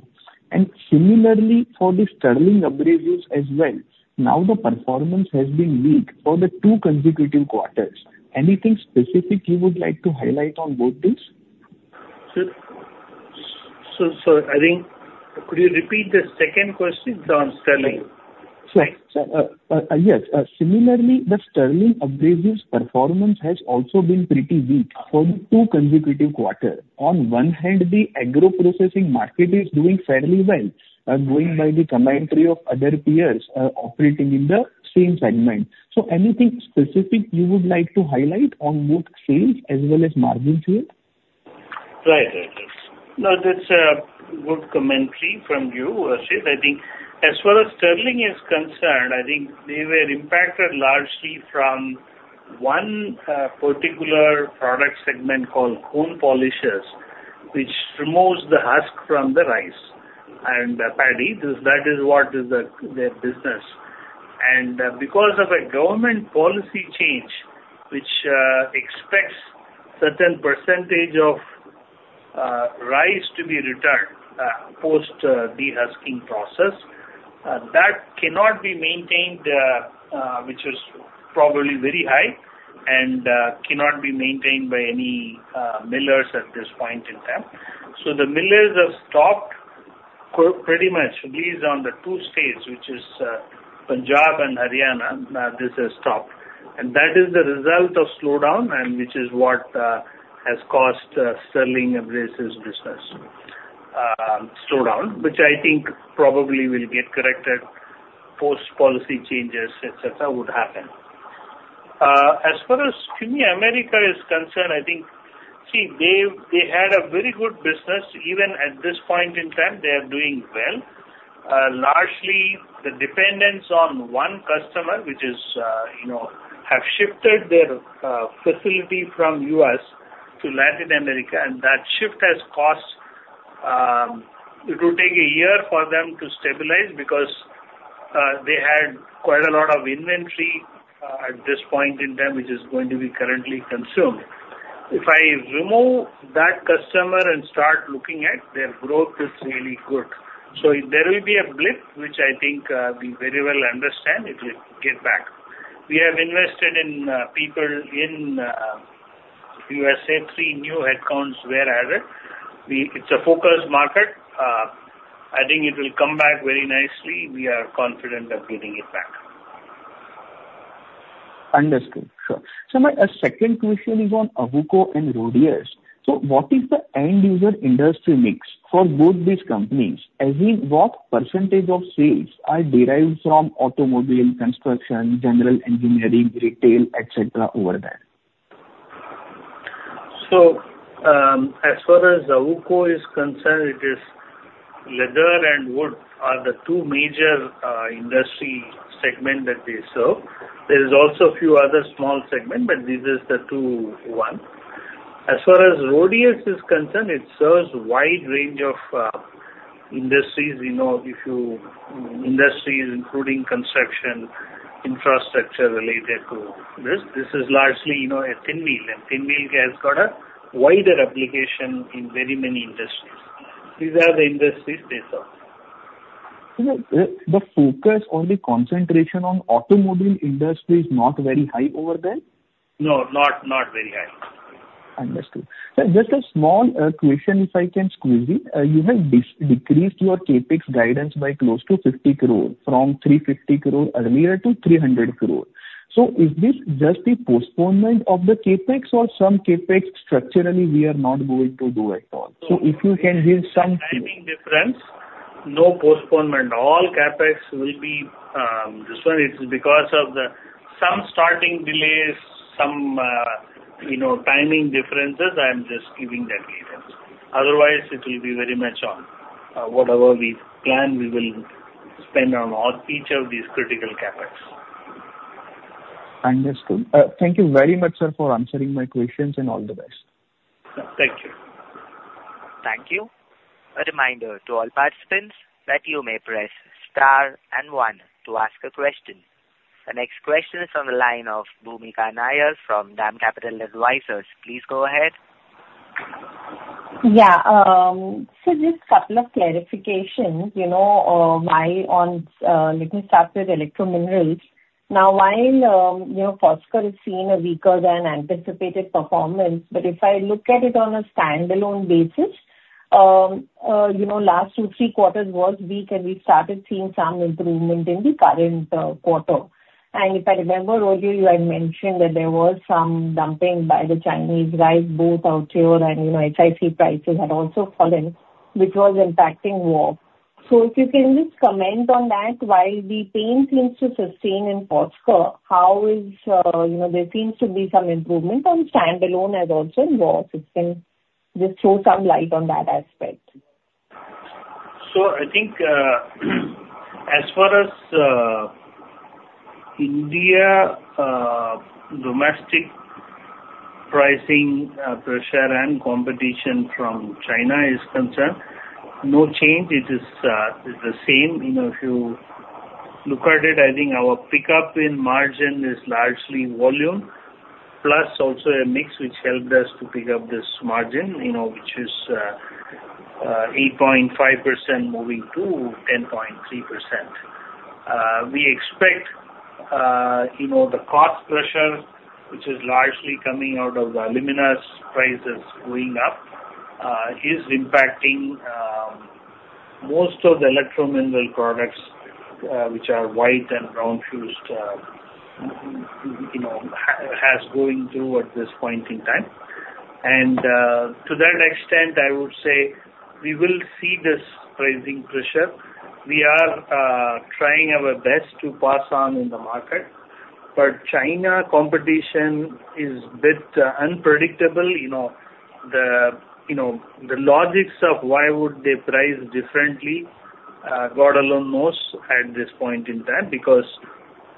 And similarly for the Sterling Abrasives as well. Now the performance has been weak for the two consecutive quarters. Anything specific you would like to highlight on both these? Sure. So I think could you repeat the second question on Sterling? Yes. Similarly, the Sterling Abrasives performance has also been pretty weak for the two consecutive quarters. On one hand, the agro-processing market is doing fairly well, going by the commentary of other peers operating in the same segment. So anything specific you would like to highlight on both sales as well as margins here? Right. No, that's a good commentary from you, Harshad. I think as far as Sterling is concerned, I think they were impacted largely from one particular product segment called Cone Polishers, which removes the husk from the rice and paddy. That is what is their business. And because of a government policy change, which expects a certain percentage of rice to be returned post-de-husking process, that cannot be maintained, which is probably very high, and cannot be maintained by any millers at this point in time. So the millers have stopped pretty much, at least on the two states, which is Punjab and Haryana. Now this has stopped. That is the result of slowdown, which is what has caused Sterling Abrasives business slowdown, which I think probably will get corrected post-policy changes, etc. It would happen. As far as CUMI America is concerned, I think, see, they had a very good business. Even at this point in time, they are doing well. Largely, the dependence on one customer, which has shifted their facility from US to Latin America, and that shift has caused. It would take a year for them to stabilize because they had quite a lot of inventory at this point in time, which is going to be currently consumed. If I remove that customer and start looking at their growth, it's really good. So there will be a blip, which I think we very well understand. It will get back. We have invested in people in USA, three new headcounts whereas it's a focused market. I think it will come back very nicely. We are confident of getting it back. Understood. Sure. So my second question is on Awuko and Rhodius. So what is the end-user industry mix for both these companies? As in what percentage of sales are derived from automobile, construction, general engineering, retail, etc., over there? So as far as Awuko is concerned, it is leather and wood are the two major industry segments that they serve. There is also a few other small segments, but these are the two ones. As far as Rhodius is concerned, it serves a wide range of industries. Industries including construction, infrastructure related to this. This is largely a Thin Wheels, and Thin Wheels has got a wider application in very many industries. These are the industries they serve. The focus or the concentration on automobile industry is not very high over there? No, not very high. Understood. Just a small question, if I can squeeze it. You have decreased your CAPEX guidance by close to ₹50 crore from ₹350 crore earlier to ₹300 crore. So is this just the postponement of the CAPEX or some CAPEX structurally we are not going to do at all? So if you can give some. Timing difference? No postponement. All CAPEX will be. This one is because of some starting delays, some timing differences. I'm just giving that guidance. Otherwise, it will be very much on whatever we plan, we will spend on each of these critical CAPEX. Understood. Thank you very much, sir, for answering my questions and all the best. Thank you. Thank you. A reminder to all participants that you may press star and one to ask a question. The next question is from the line of Bhoomika Nair from DAM Capital Advisors. Please go ahead. Yeah. So just a couple of clarifications. Let me start with electrominerals. Now, while Foskor has seen a weaker than anticipated performance, but if I look at it on a standalone basis, last two, Q3 was weak, and we started seeing some improvement in the current quarter. And if I remember, earlier you had mentioned that there was some dumping by the Chinese, right? Both BFA and WFA prices had also fallen, which was impacting WFA. So if you can just comment on that, while the pain seems to sustain in Foskor, how there seems to be some improvement on standalone as also in WFA? If you can just throw some light on that aspect. So I think as far as India domestic pricing pressure and competition from China is concerned, no change. It is the same. If you look at it, I think our pickup in margin is largely volume plus also a mix which helped us to pick up this margin, which is 8.5% moving to 10.3%. We expect the cost pressure, which is largely coming out of the alumina's prices going up, is impacting most of the electromineral products, which are white and brown fused alumina's going through at this point in time. And to that extent, I would say we will see this pricing pressure. We are trying our best to pass on in the market, but China competition is a bit unpredictable. The logic of why would they price differently, God alone knows at this point in time because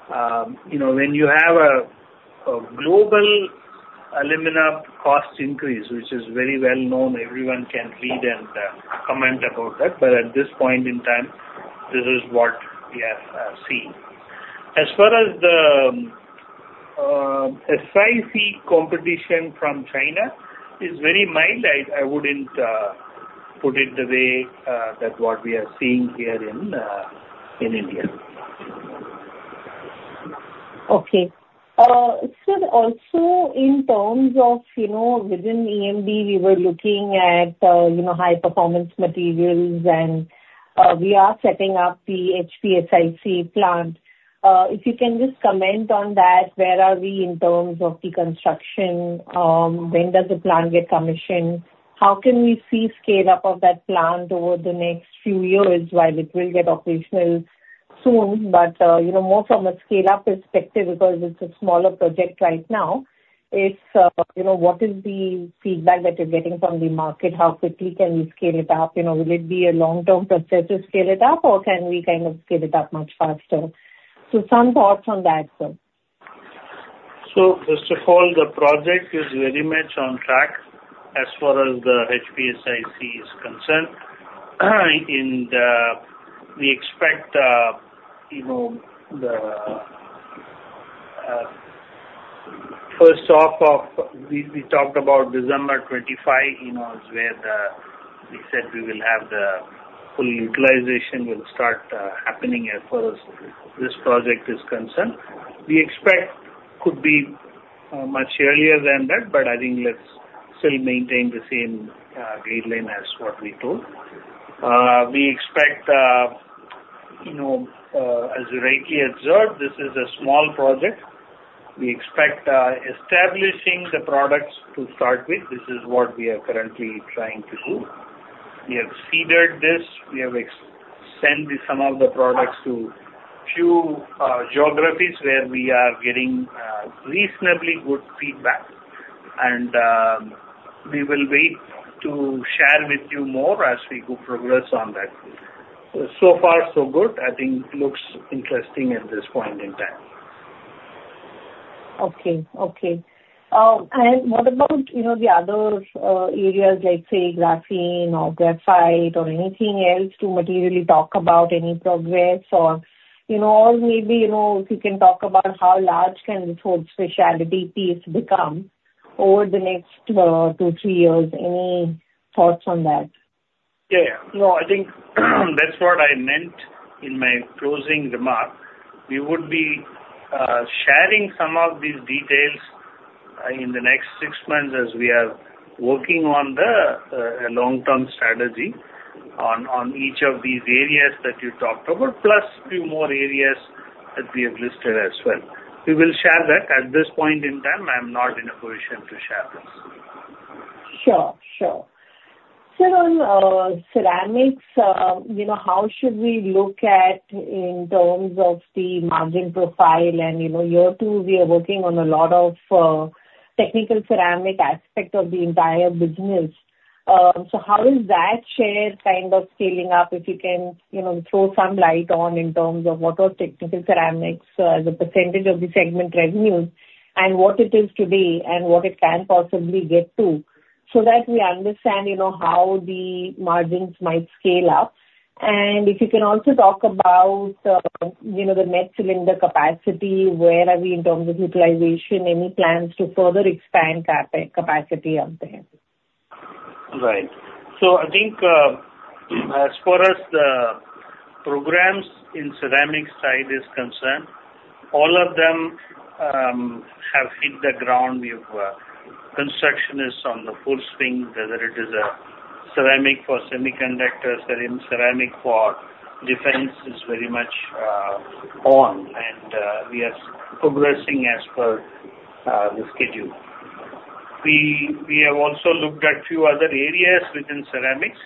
when you have a global alumina cost increase, which is very well known, everyone can read and comment about that. But at this point in time, this is what we have seen. As far as the SiC competition from China is very mild, I wouldn't put it the way that what we are seeing here in India. Okay. So also in terms of within EMD, we were looking at high-performance materials, and we are setting up the HPSiC plant. If you can just comment on that, where are we in terms of the construction? When does the plant get commissioned? How can we see scale-up of that plant over the next few years while it will get operational soon? But more from a scale-up perspective because it's a smaller project right now, what is the feedback that you're getting from the market? How quickly can we scale it up? Will it be a long-term process to scale it up, or can we kind of scale it up much faster? So some thoughts on that, sir. So first of all, the project is very much on track as far as the HPSiC is concerned. We expect the first off of we talked about December 25 is where we said we will have the full utilization will start happening as far as this project is concerned. We expect could be much earlier than that, but I think let's still maintain the same guideline as what we told. We expect, as you rightly observed, this is a small project. We expect establishing the products to start with. This is what we are currently trying to do. We have seeded this. We have sent some of the products to a few geographies where we are getting reasonably good feedback. And we will wait to share with you more as we progress on that. So far, so good. I think it looks interesting at this point in time. Okay. Okay. And what about the other areas like, say, graphene or graphite or anything else to materially talk about any progress or maybe if you can talk about how large can this whole specialty piece become over the next two, three years? Any thoughts on that? Yeah. No, I think that's what I meant in my closing remark. We would be sharing some of these details in the next six months as we are working on the long-term strategy on each of these areas that you talked about plus a few more areas that we have listed as well. We will share that. At this point in time, I'm not in a position to share this. Sure. Sure. So on ceramics, how should we look at in terms of the margin profile? And you too we are working on a lot of technical ceramics aspect of the entire business. So how is that share kind of scaling up if you can throw some light on in terms of what are technical ceramics as a percentage of the segment revenues and what it is today and what it can possibly get to so that we understand how the margins might scale up? And if you can also talk about the metallized cylinders capacity, where are we in terms of utilization? Any plans to further expand capacity out there? Right. So I think as far as the programs in ceramics side is concerned, all of them have hit the ground. Construction is in full swing, whether it is a ceramic for semiconductors or in ceramic for defense is very much on, and we are progressing as per the schedule. We have also looked at a few other areas within ceramics.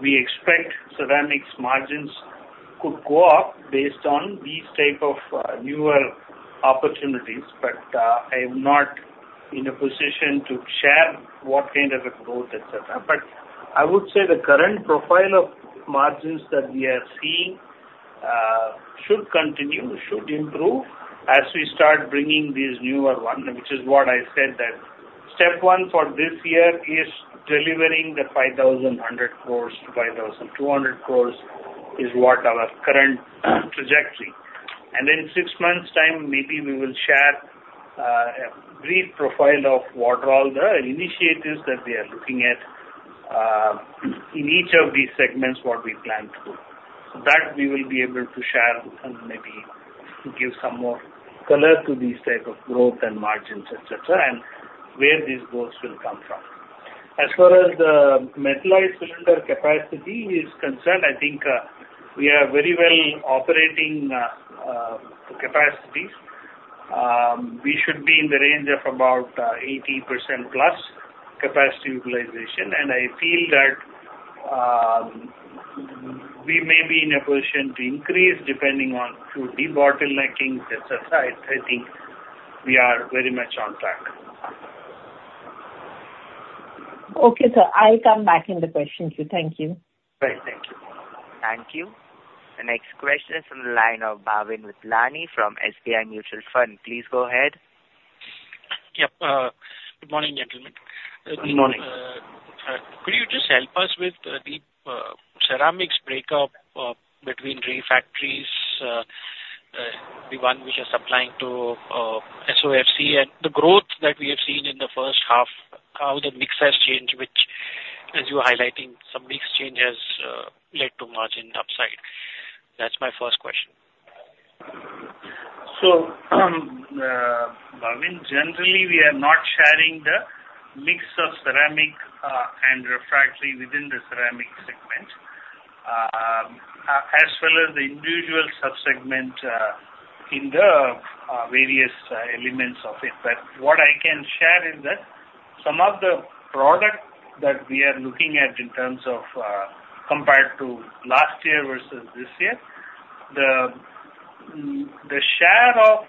We expect ceramics margins could go up based on these types of newer opportunities, but I am not in a position to share what kind of a growth, etc. But I would say the current profile of margins that we are seeing should continue, should improve as we start bringing these newer ones, which is what I said that step one for this year is delivering the ₹5,100 crores-₹5,200 crores is what our current trajectory. And in six months' time, maybe we will share a brief profile of what are all the initiatives that we are looking at in each of these segments what we plan to do. That we will be able to share and maybe give some more color to these types of growth and margins, etc., and where these growths will come from. As far as the metallized cylinders capacity is concerned, I think we are very well operating capacities. We should be in the range of about 80% plus capacity utilization, and I feel that we may be in a position to increase depending on through de-bottlenecking, etc. I think we are very much on track. Okay. So I'll come back in the question too. Thank you. Right. Thank you. Thank you. The next question is from the line of Bhavin Vithlani from SBI Mutual Fund. Please go ahead. Yep. Good morning, gentlemen. Good morning. Could you just help us with the ceramics breakup between three factories, the one which is supplying to SOFC, and the growth that we have seen in the first half, how the mix has changed, which, as you're highlighting, some mix changes led to margin upside. That's my first question. Bhavin, generally, we are not sharing the mix of ceramic and refractory within the ceramic segment as well as the individual subsegment in the various elements of it. But what I can share is that some of the product that we are looking at in terms of compared to last year versus this year, the share of,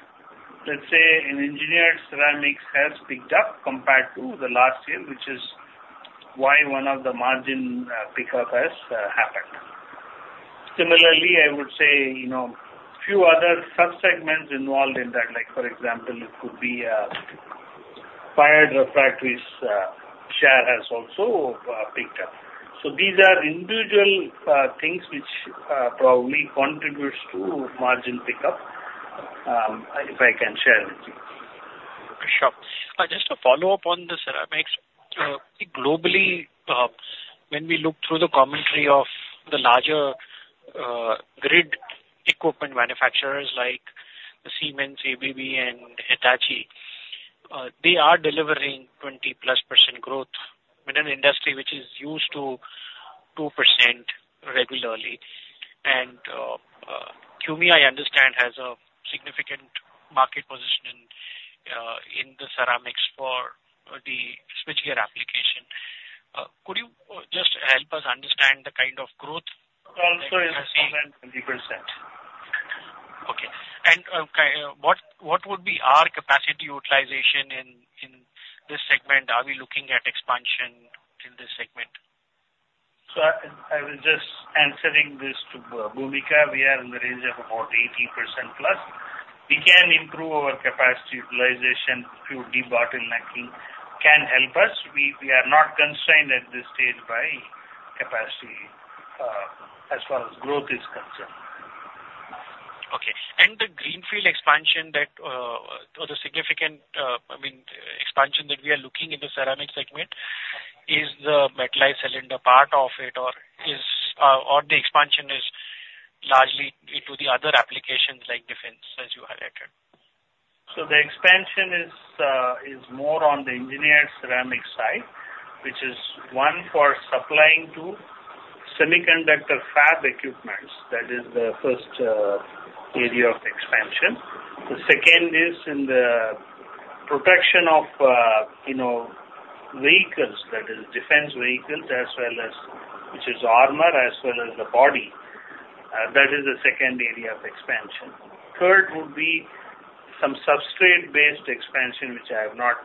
let's say, an engineered ceramics has picked up compared to the last year, which is why one of the margin pickup has happened. Similarly, I would say a few other subsegments involved in that, like for example, it could be fired refractories share has also picked up. These are individual things which probably contributes to margin pickup, if I can share with you. Sure. Just to follow up on the ceramics, globally, when we look through the commentary of the larger grid equipment manufacturers like Siemens, ABB, and Hitachi, they are delivering 20-plus% growth in an industry which is used to 2% regularly. And CUMI, I understand, has a significant market position in the ceramics for the switchgear application. Could you just help us understand the kind of growth? Also is more than 20%. Okay. And what would be our capacity utilization in this segment? Are we looking at expansion in this segment? So I was just answering this to Bhoomika. We are in the range of about 80% plus. We can improve our capacity utilization. A few de-bottlenecking can help us. We are not constrained at this stage by capacity as far as growth is concerned. Okay. The greenfield expansion or the significant, I mean, expansion that we are looking in the ceramic segment, is the metallized cylinder part of it, or the expansion is largely into the other applications like defense, as you highlighted? The expansion is more on the engineered ceramic side, which is one for supplying to semiconductor fab equipment. That is the first area of expansion. The second is in the production of vehicles, that is defense vehicles, which is armor as well as the body. That is the second area of expansion. Third would be some substrate-based expansion, which I have not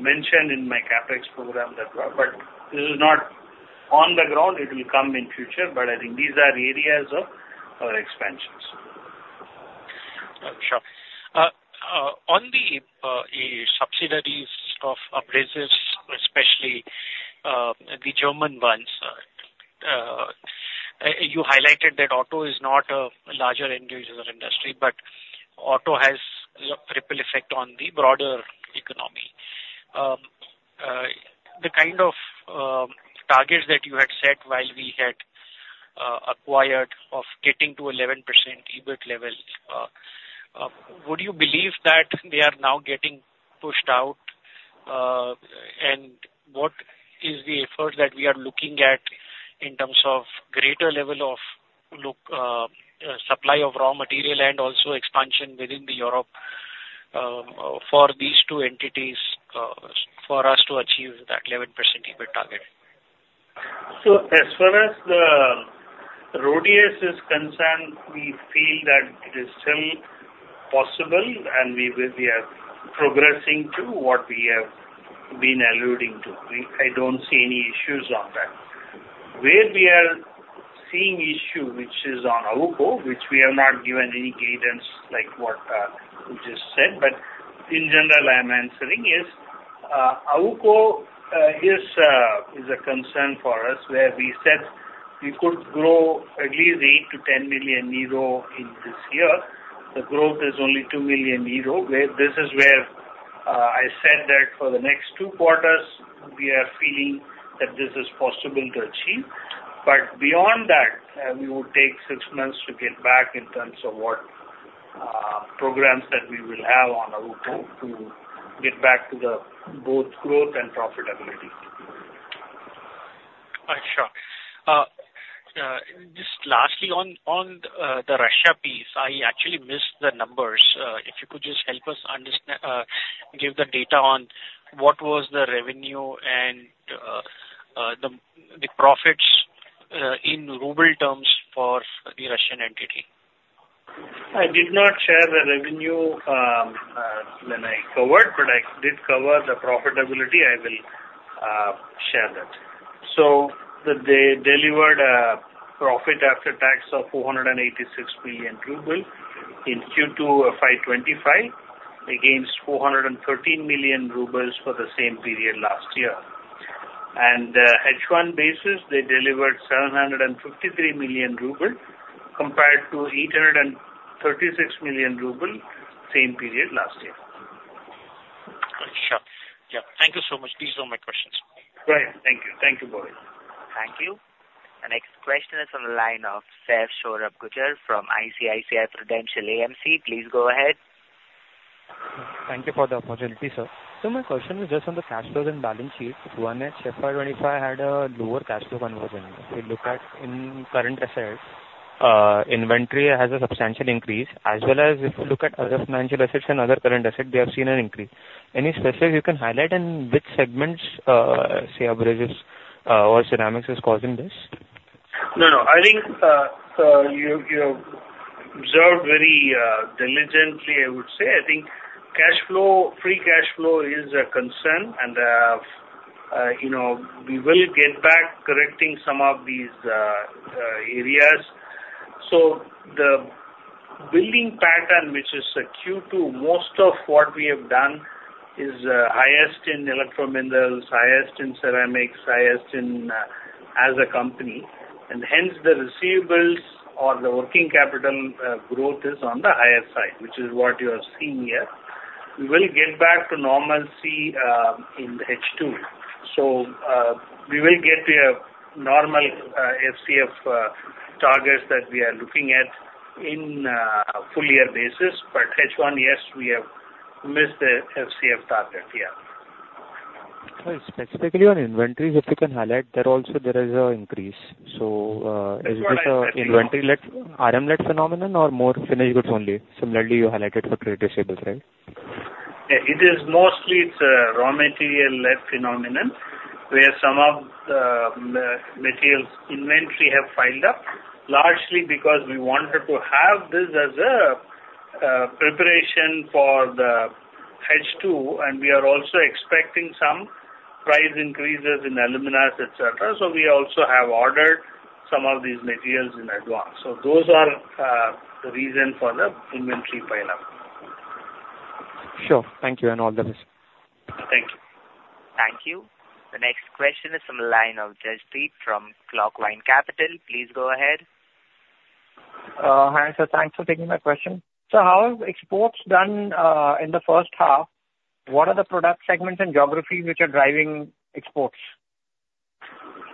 mentioned in my CapEx program, but this is not on the ground. It will come in future, but I think these are areas of our expansions. Sure. On the subsidiaries of Abrasives, especially the German ones, you highlighted that auto is not a larger individual industry, but auto has a ripple effect on the broader economy. The kind of targets that you had set while we had acquired of getting to 11% EBIT level, would you believe that they are now getting pushed out? And what is the effort that we are looking at in terms of greater level of supply of raw material and also expansion within Europe for these two entities for us to achieve that 11% EBIT target? So as far as the Rhodius is concerned, we feel that it is still possible, and we are progressing to what we have been alluding to. I don't see any issues on that. Where we are seeing issue, which is on Awuko, which we have not given any cadence like what you just said, but in general, I'm answering is Awuko is a concern for us where we said we could grow at least 8-10 million euro in this year. The growth is only 2 million euro. This is where I said that for the next Q2, we are feeling that this is possible to achieve. But beyond that, we will take six months to get back in terms of what programs that we will have on Awuko to get back to both growth and profitability. Sure. Just lastly, on the Russia piece, I actually missed the numbers. If you could just help us give the data on what was the revenue and the profits in ruble terms for the Russian entity. I did not share the revenue when I covered, but I did cover the profitability. I will share that. So they delivered a profit after tax of 486 million ruble in Q2 of FY25 against 413 million rubles for the same period last year. And the EBITDA basis, they delivered 753 million RUB compared to 836 million rubles same period last year. Sure. Yeah. Thank you so much. These are my questions. Right. Thank you. Thank you, Bhavin. Thank you. The next question is from the line of Saurabh Gujjar from ICICI Prudential AMC. Please go ahead. Thank you for the opportunity, sir. So my question is just on the cash flows and balance sheet. One at FY25 had a lower cash flow conversion. If you look at the current assets, inventory has a substantial increase, as well as if you look at other financial assets and other current assets, they have seen an increase. Any specifics you can highlight in which segments, say Abrasives or Ceramics, is causing this? No, no. I think you observed very diligently, I would say. I think free cash flow is a concern, and we will get back correcting some of these areas. So the billing pattern, which is a Q2, most of what we have done is highest in Electrominerals, highest in Ceramics, highest as a company. And hence, the receivables or the working capital growth is on the higher side, which is what you are seeing here. We will get back to normalcy in H2. So we will get to a normal FCF targets that we are looking at in full year basis. But H1, yes, we have missed the FCF target. Yeah. Specifically on inventories, if you can highlight, there also is an increase. So is this an inventory RM-led phenomenon or more finished goods only? Similarly, you highlighted for creative shapes, right? It is mostly a raw material-led phenomenon where some of the materials inventory have piled up, largely because we wanted to have this as a preparation for the H2, and we are also expecting some price increases in aluminas, etc. So we also have ordered some of these materials in advance. So those are the reason for the inventory pile-up. Sure. Thank you and all the best. Thank you. Thank you. The next question is from the line of Jaspreet from Clockvine Capital. Please go ahead. Hi, sir. Thanks for taking my question. So how have exports done in the first half? What are the product segments and geographies which are driving exports?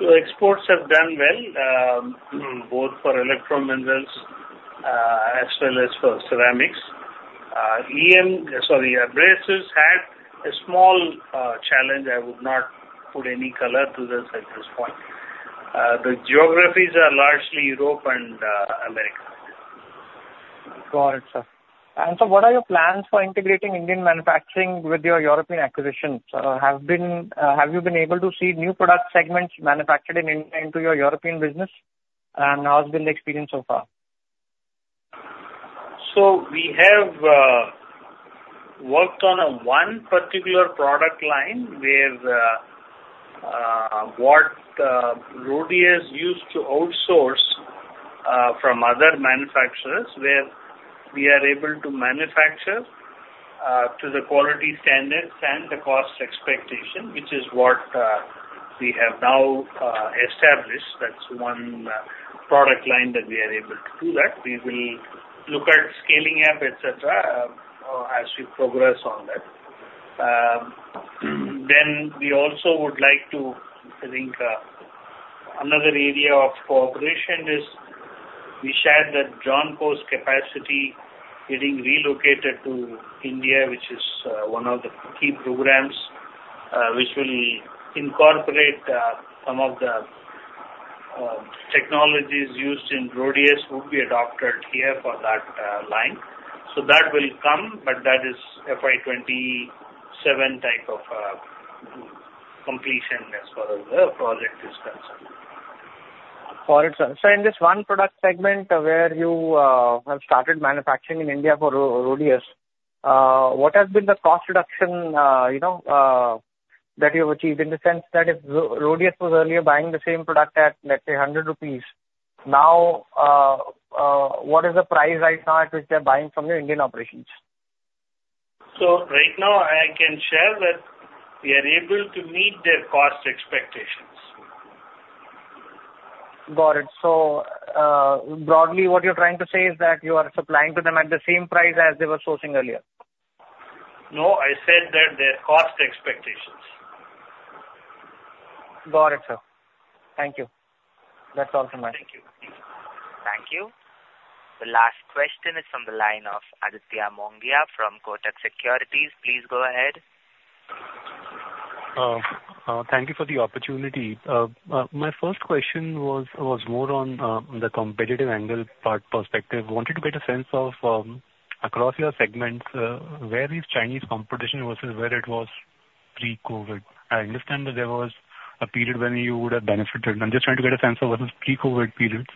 Exports have done well, both for electrominerals as well as for ceramics. Abrasives had a small challenge. I would not put any color to this at this point. The geographies are largely Europe and America. Got it, sir. And so what are your plans for integrating Indian manufacturing with your European acquisitions? Have you been able to see new product segments manufactured into your European business? And how has been the experience so far? We have worked on one particular product line where what Rhodius used to outsource from other manufacturers, where we are able to manufacture to the quality standards and the cost expectation, which is what we have now established. That's one product line that we are able to do that. We will look at scaling up, etc., as we progress on that. Then we also would like to think another area of cooperation is we shared that one customer's capacity getting relocated to India, which is one of the key programs which will incorporate some of the technologies used in Rhodius would be adopted here for that line. So that will come, but that is FY27 type of completion as far as the project is concerned. Got it, sir. So in this one product segment where you have started manufacturing in India for Rhodius, what has been the cost reduction that you have achieved in the sense that if Rhodius was earlier buying the same product at, let's say, 100 rupees, now what is the price right now at which they're buying from your Indian operations? So right now, I can share that we are able to meet their cost expectations. Got it. So broadly, what you're trying to say is that you are supplying to them at the same price as they were sourcing earlier? No, I said that their cost expectations. Got it, sir. Thank you. That's all from me. Thank you. Thank you. The last question is from the line of Aditya Mongia from Kotak Securities. Please go ahead. Thank you for the opportunity. My first question was more on the competitive angle perspective. Wanted to get a sense of across your segments, where is Chinese competition versus where it was pre-COVID? I understand that there was a period when you would have benefited. I'm just trying to get a sense of what is pre-COVID period,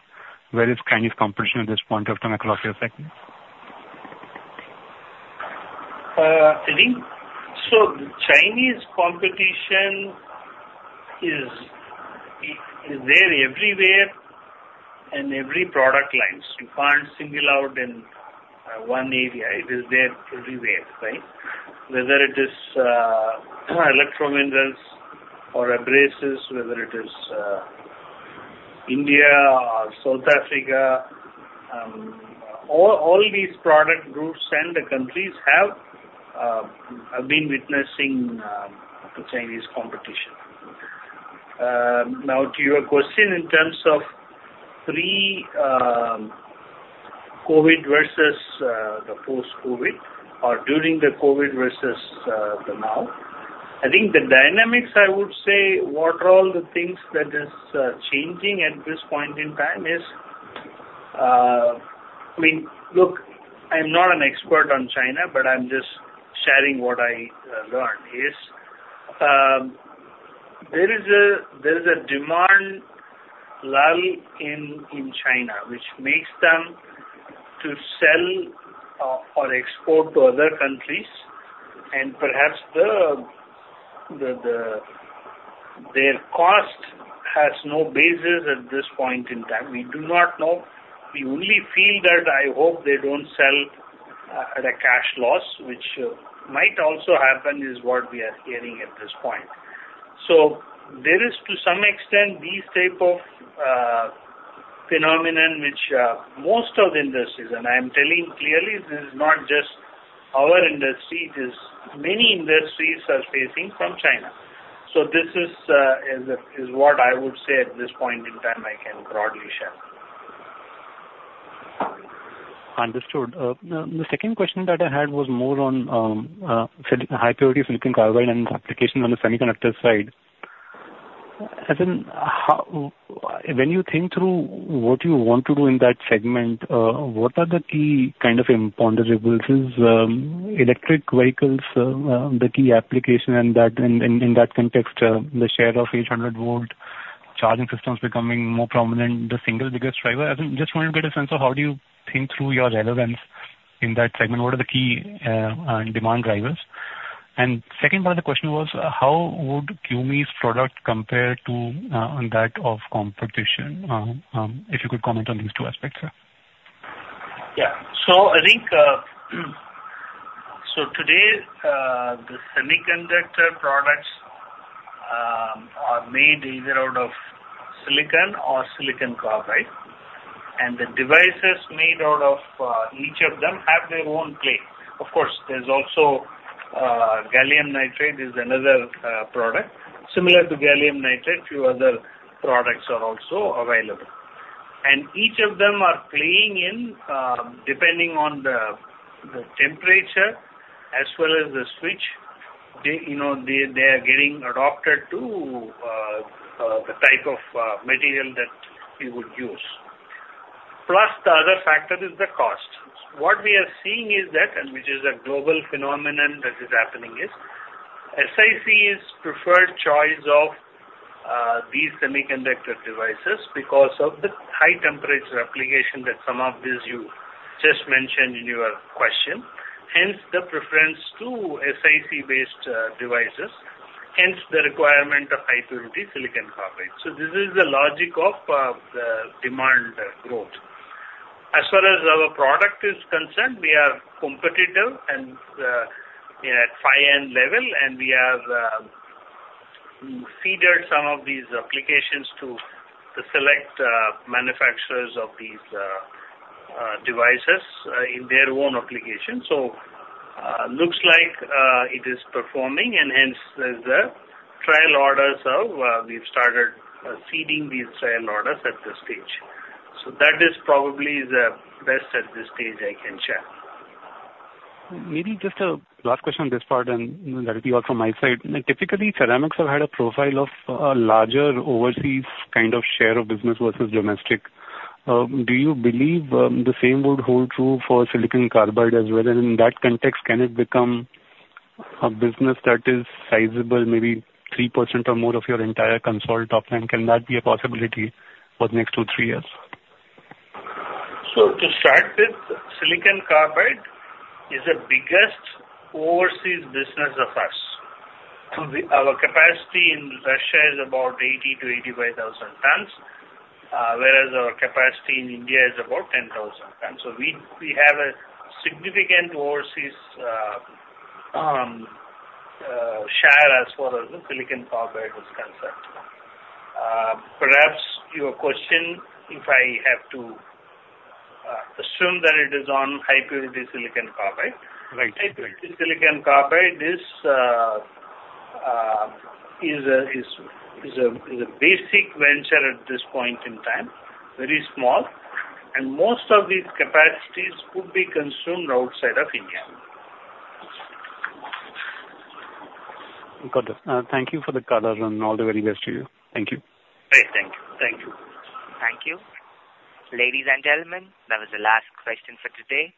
where is Chinese competition at this point of time across your segments? So Chinese competition is there everywhere in every product line. You can't single out in one area. It is there everywhere, right? Whether it is electrominerals or Abrasives, whether it is India or South Africa, all these product groups and the countries have been witnessing the Chinese competition. Now, to your question in terms of pre-COVID versus the post-COVID or during the COVID versus the now, I think the dynamics, I would say, what are all the things that is changing at this point in time is, I mean, look, I'm not an expert on China, but I'm just sharing what I learned is there is a demand level in China which makes them to sell or export to other countries, and perhaps their cost has no basis at this point in time. We do not know. We only feel that. I hope they don't sell at a cash loss, which might also happen, is what we are hearing at this point. So there is, to some extent, these type of phenomenon which most of the industries, and I am telling clearly, this is not just our industry. It is many industries are facing from China. So this is what I would say at this point in time. I can broadly share. Understood. The second question that I had was more on high-purity silicon carbide and its application on the semiconductor side. As in, when you think through what you want to do in that segment, what are the key kind of imponderables? Electric vehicles, the key application in that context, the share of 800-volt charging systems becoming more prominent, the single biggest driver. I just wanted to get a sense of how do you think through your relevance in that segment? What are the key demand drivers? And second part of the question was, how would CUMI's product compare to that of competition? If you could comment on these two aspects, sir. Yeah. So I think so today, the semiconductor products are made either out of silicon or silicon carbide, and the devices made out of each of them have their own place. Of course, there's also gallium nitride is another product. Similar to gallium nitride, a few other products are also available. And each of them are playing in depending on the temperature as well as the switch. They are getting adopted to the type of material that you would use. Plus, the other factor is the cost. What we are seeing is that, and which is a global phenomenon that is happening, is SiC is preferred choice of these semiconductor devices because of the high-temperature application that some of these you just mentioned in your question. Hence, the preference to SiC-based devices. Hence, the requirement of high-purity silicon carbide. So this is the logic of the demand growth. As far as our product is concerned, we are competitive at high-end level, and we have fed some of these applications to the select manufacturers of these devices in their own application. So it looks like it is performing, and hence, there's the trial orders that we've started seeding these trial orders at this stage. So that is probably the best at this stage I can share. Maybe just a last question on this part, and that would be all from my side. Typically, ceramics have had a profile of a larger overseas kind of share of business versus domestic. Do you believe the same would hold true for silicon carbide as well? And in that context, can it become a business that is sizable, maybe 3% or more of your entire consolidated? Can that be a possibility for the next two to three years? So to start with, silicon carbide is the biggest overseas business for us. Our capacity in Russia is about 80,000-85,000 tons, whereas our capacity in India is about 10,000 tons. So we have a significant overseas share as far as the silicon carbide is concerned. Perhaps your question, if I have to assume that it is on high-purity silicon carbide. High-purity silicon carbide is a nascent venture at this point in time, very small, and most of these capacities could be consumed outside of India. Got it. Thank you for the color and all the very best to you. Thank you. Great. Thank you. Thank you. Thank you. Ladies and gentlemen, that was the last question for today.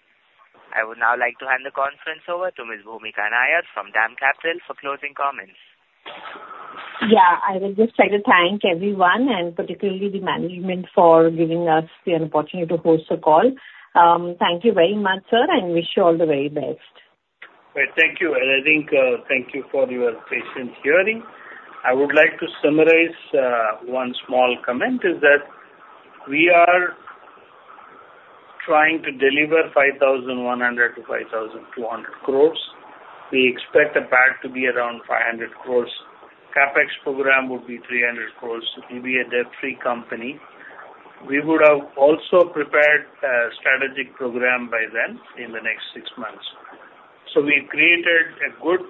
I would now like to hand the conference over to Ms. Bhoomika Nair from DAM Capital for closing comments. Yeah. I would just like to thank everyone and particularly the management for giving us the opportunity to host the call. Thank you very much, sir, and wish you all the very best. Great. Thank you. And I think thank you for your patience hearing. I would like to summarize one small comment is that we are trying to deliver 5,100-5,200 crores. We expect the PAT to be around 500 crores. CapEx program would be 300 crores. We'll be a debt-free company. We would have also prepared a strategic program by then in the next six months. So we created a good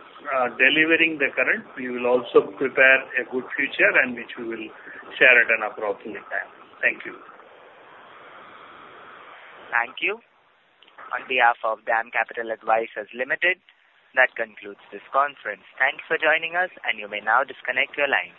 delivering the current. We will also prepare a good future and which we will share at an appropriate time. Thank you. Thank you. On behalf of DAM Capital Advisors Limited, that concludes this conference. Thanks for joining us, and you may now disconnect your line.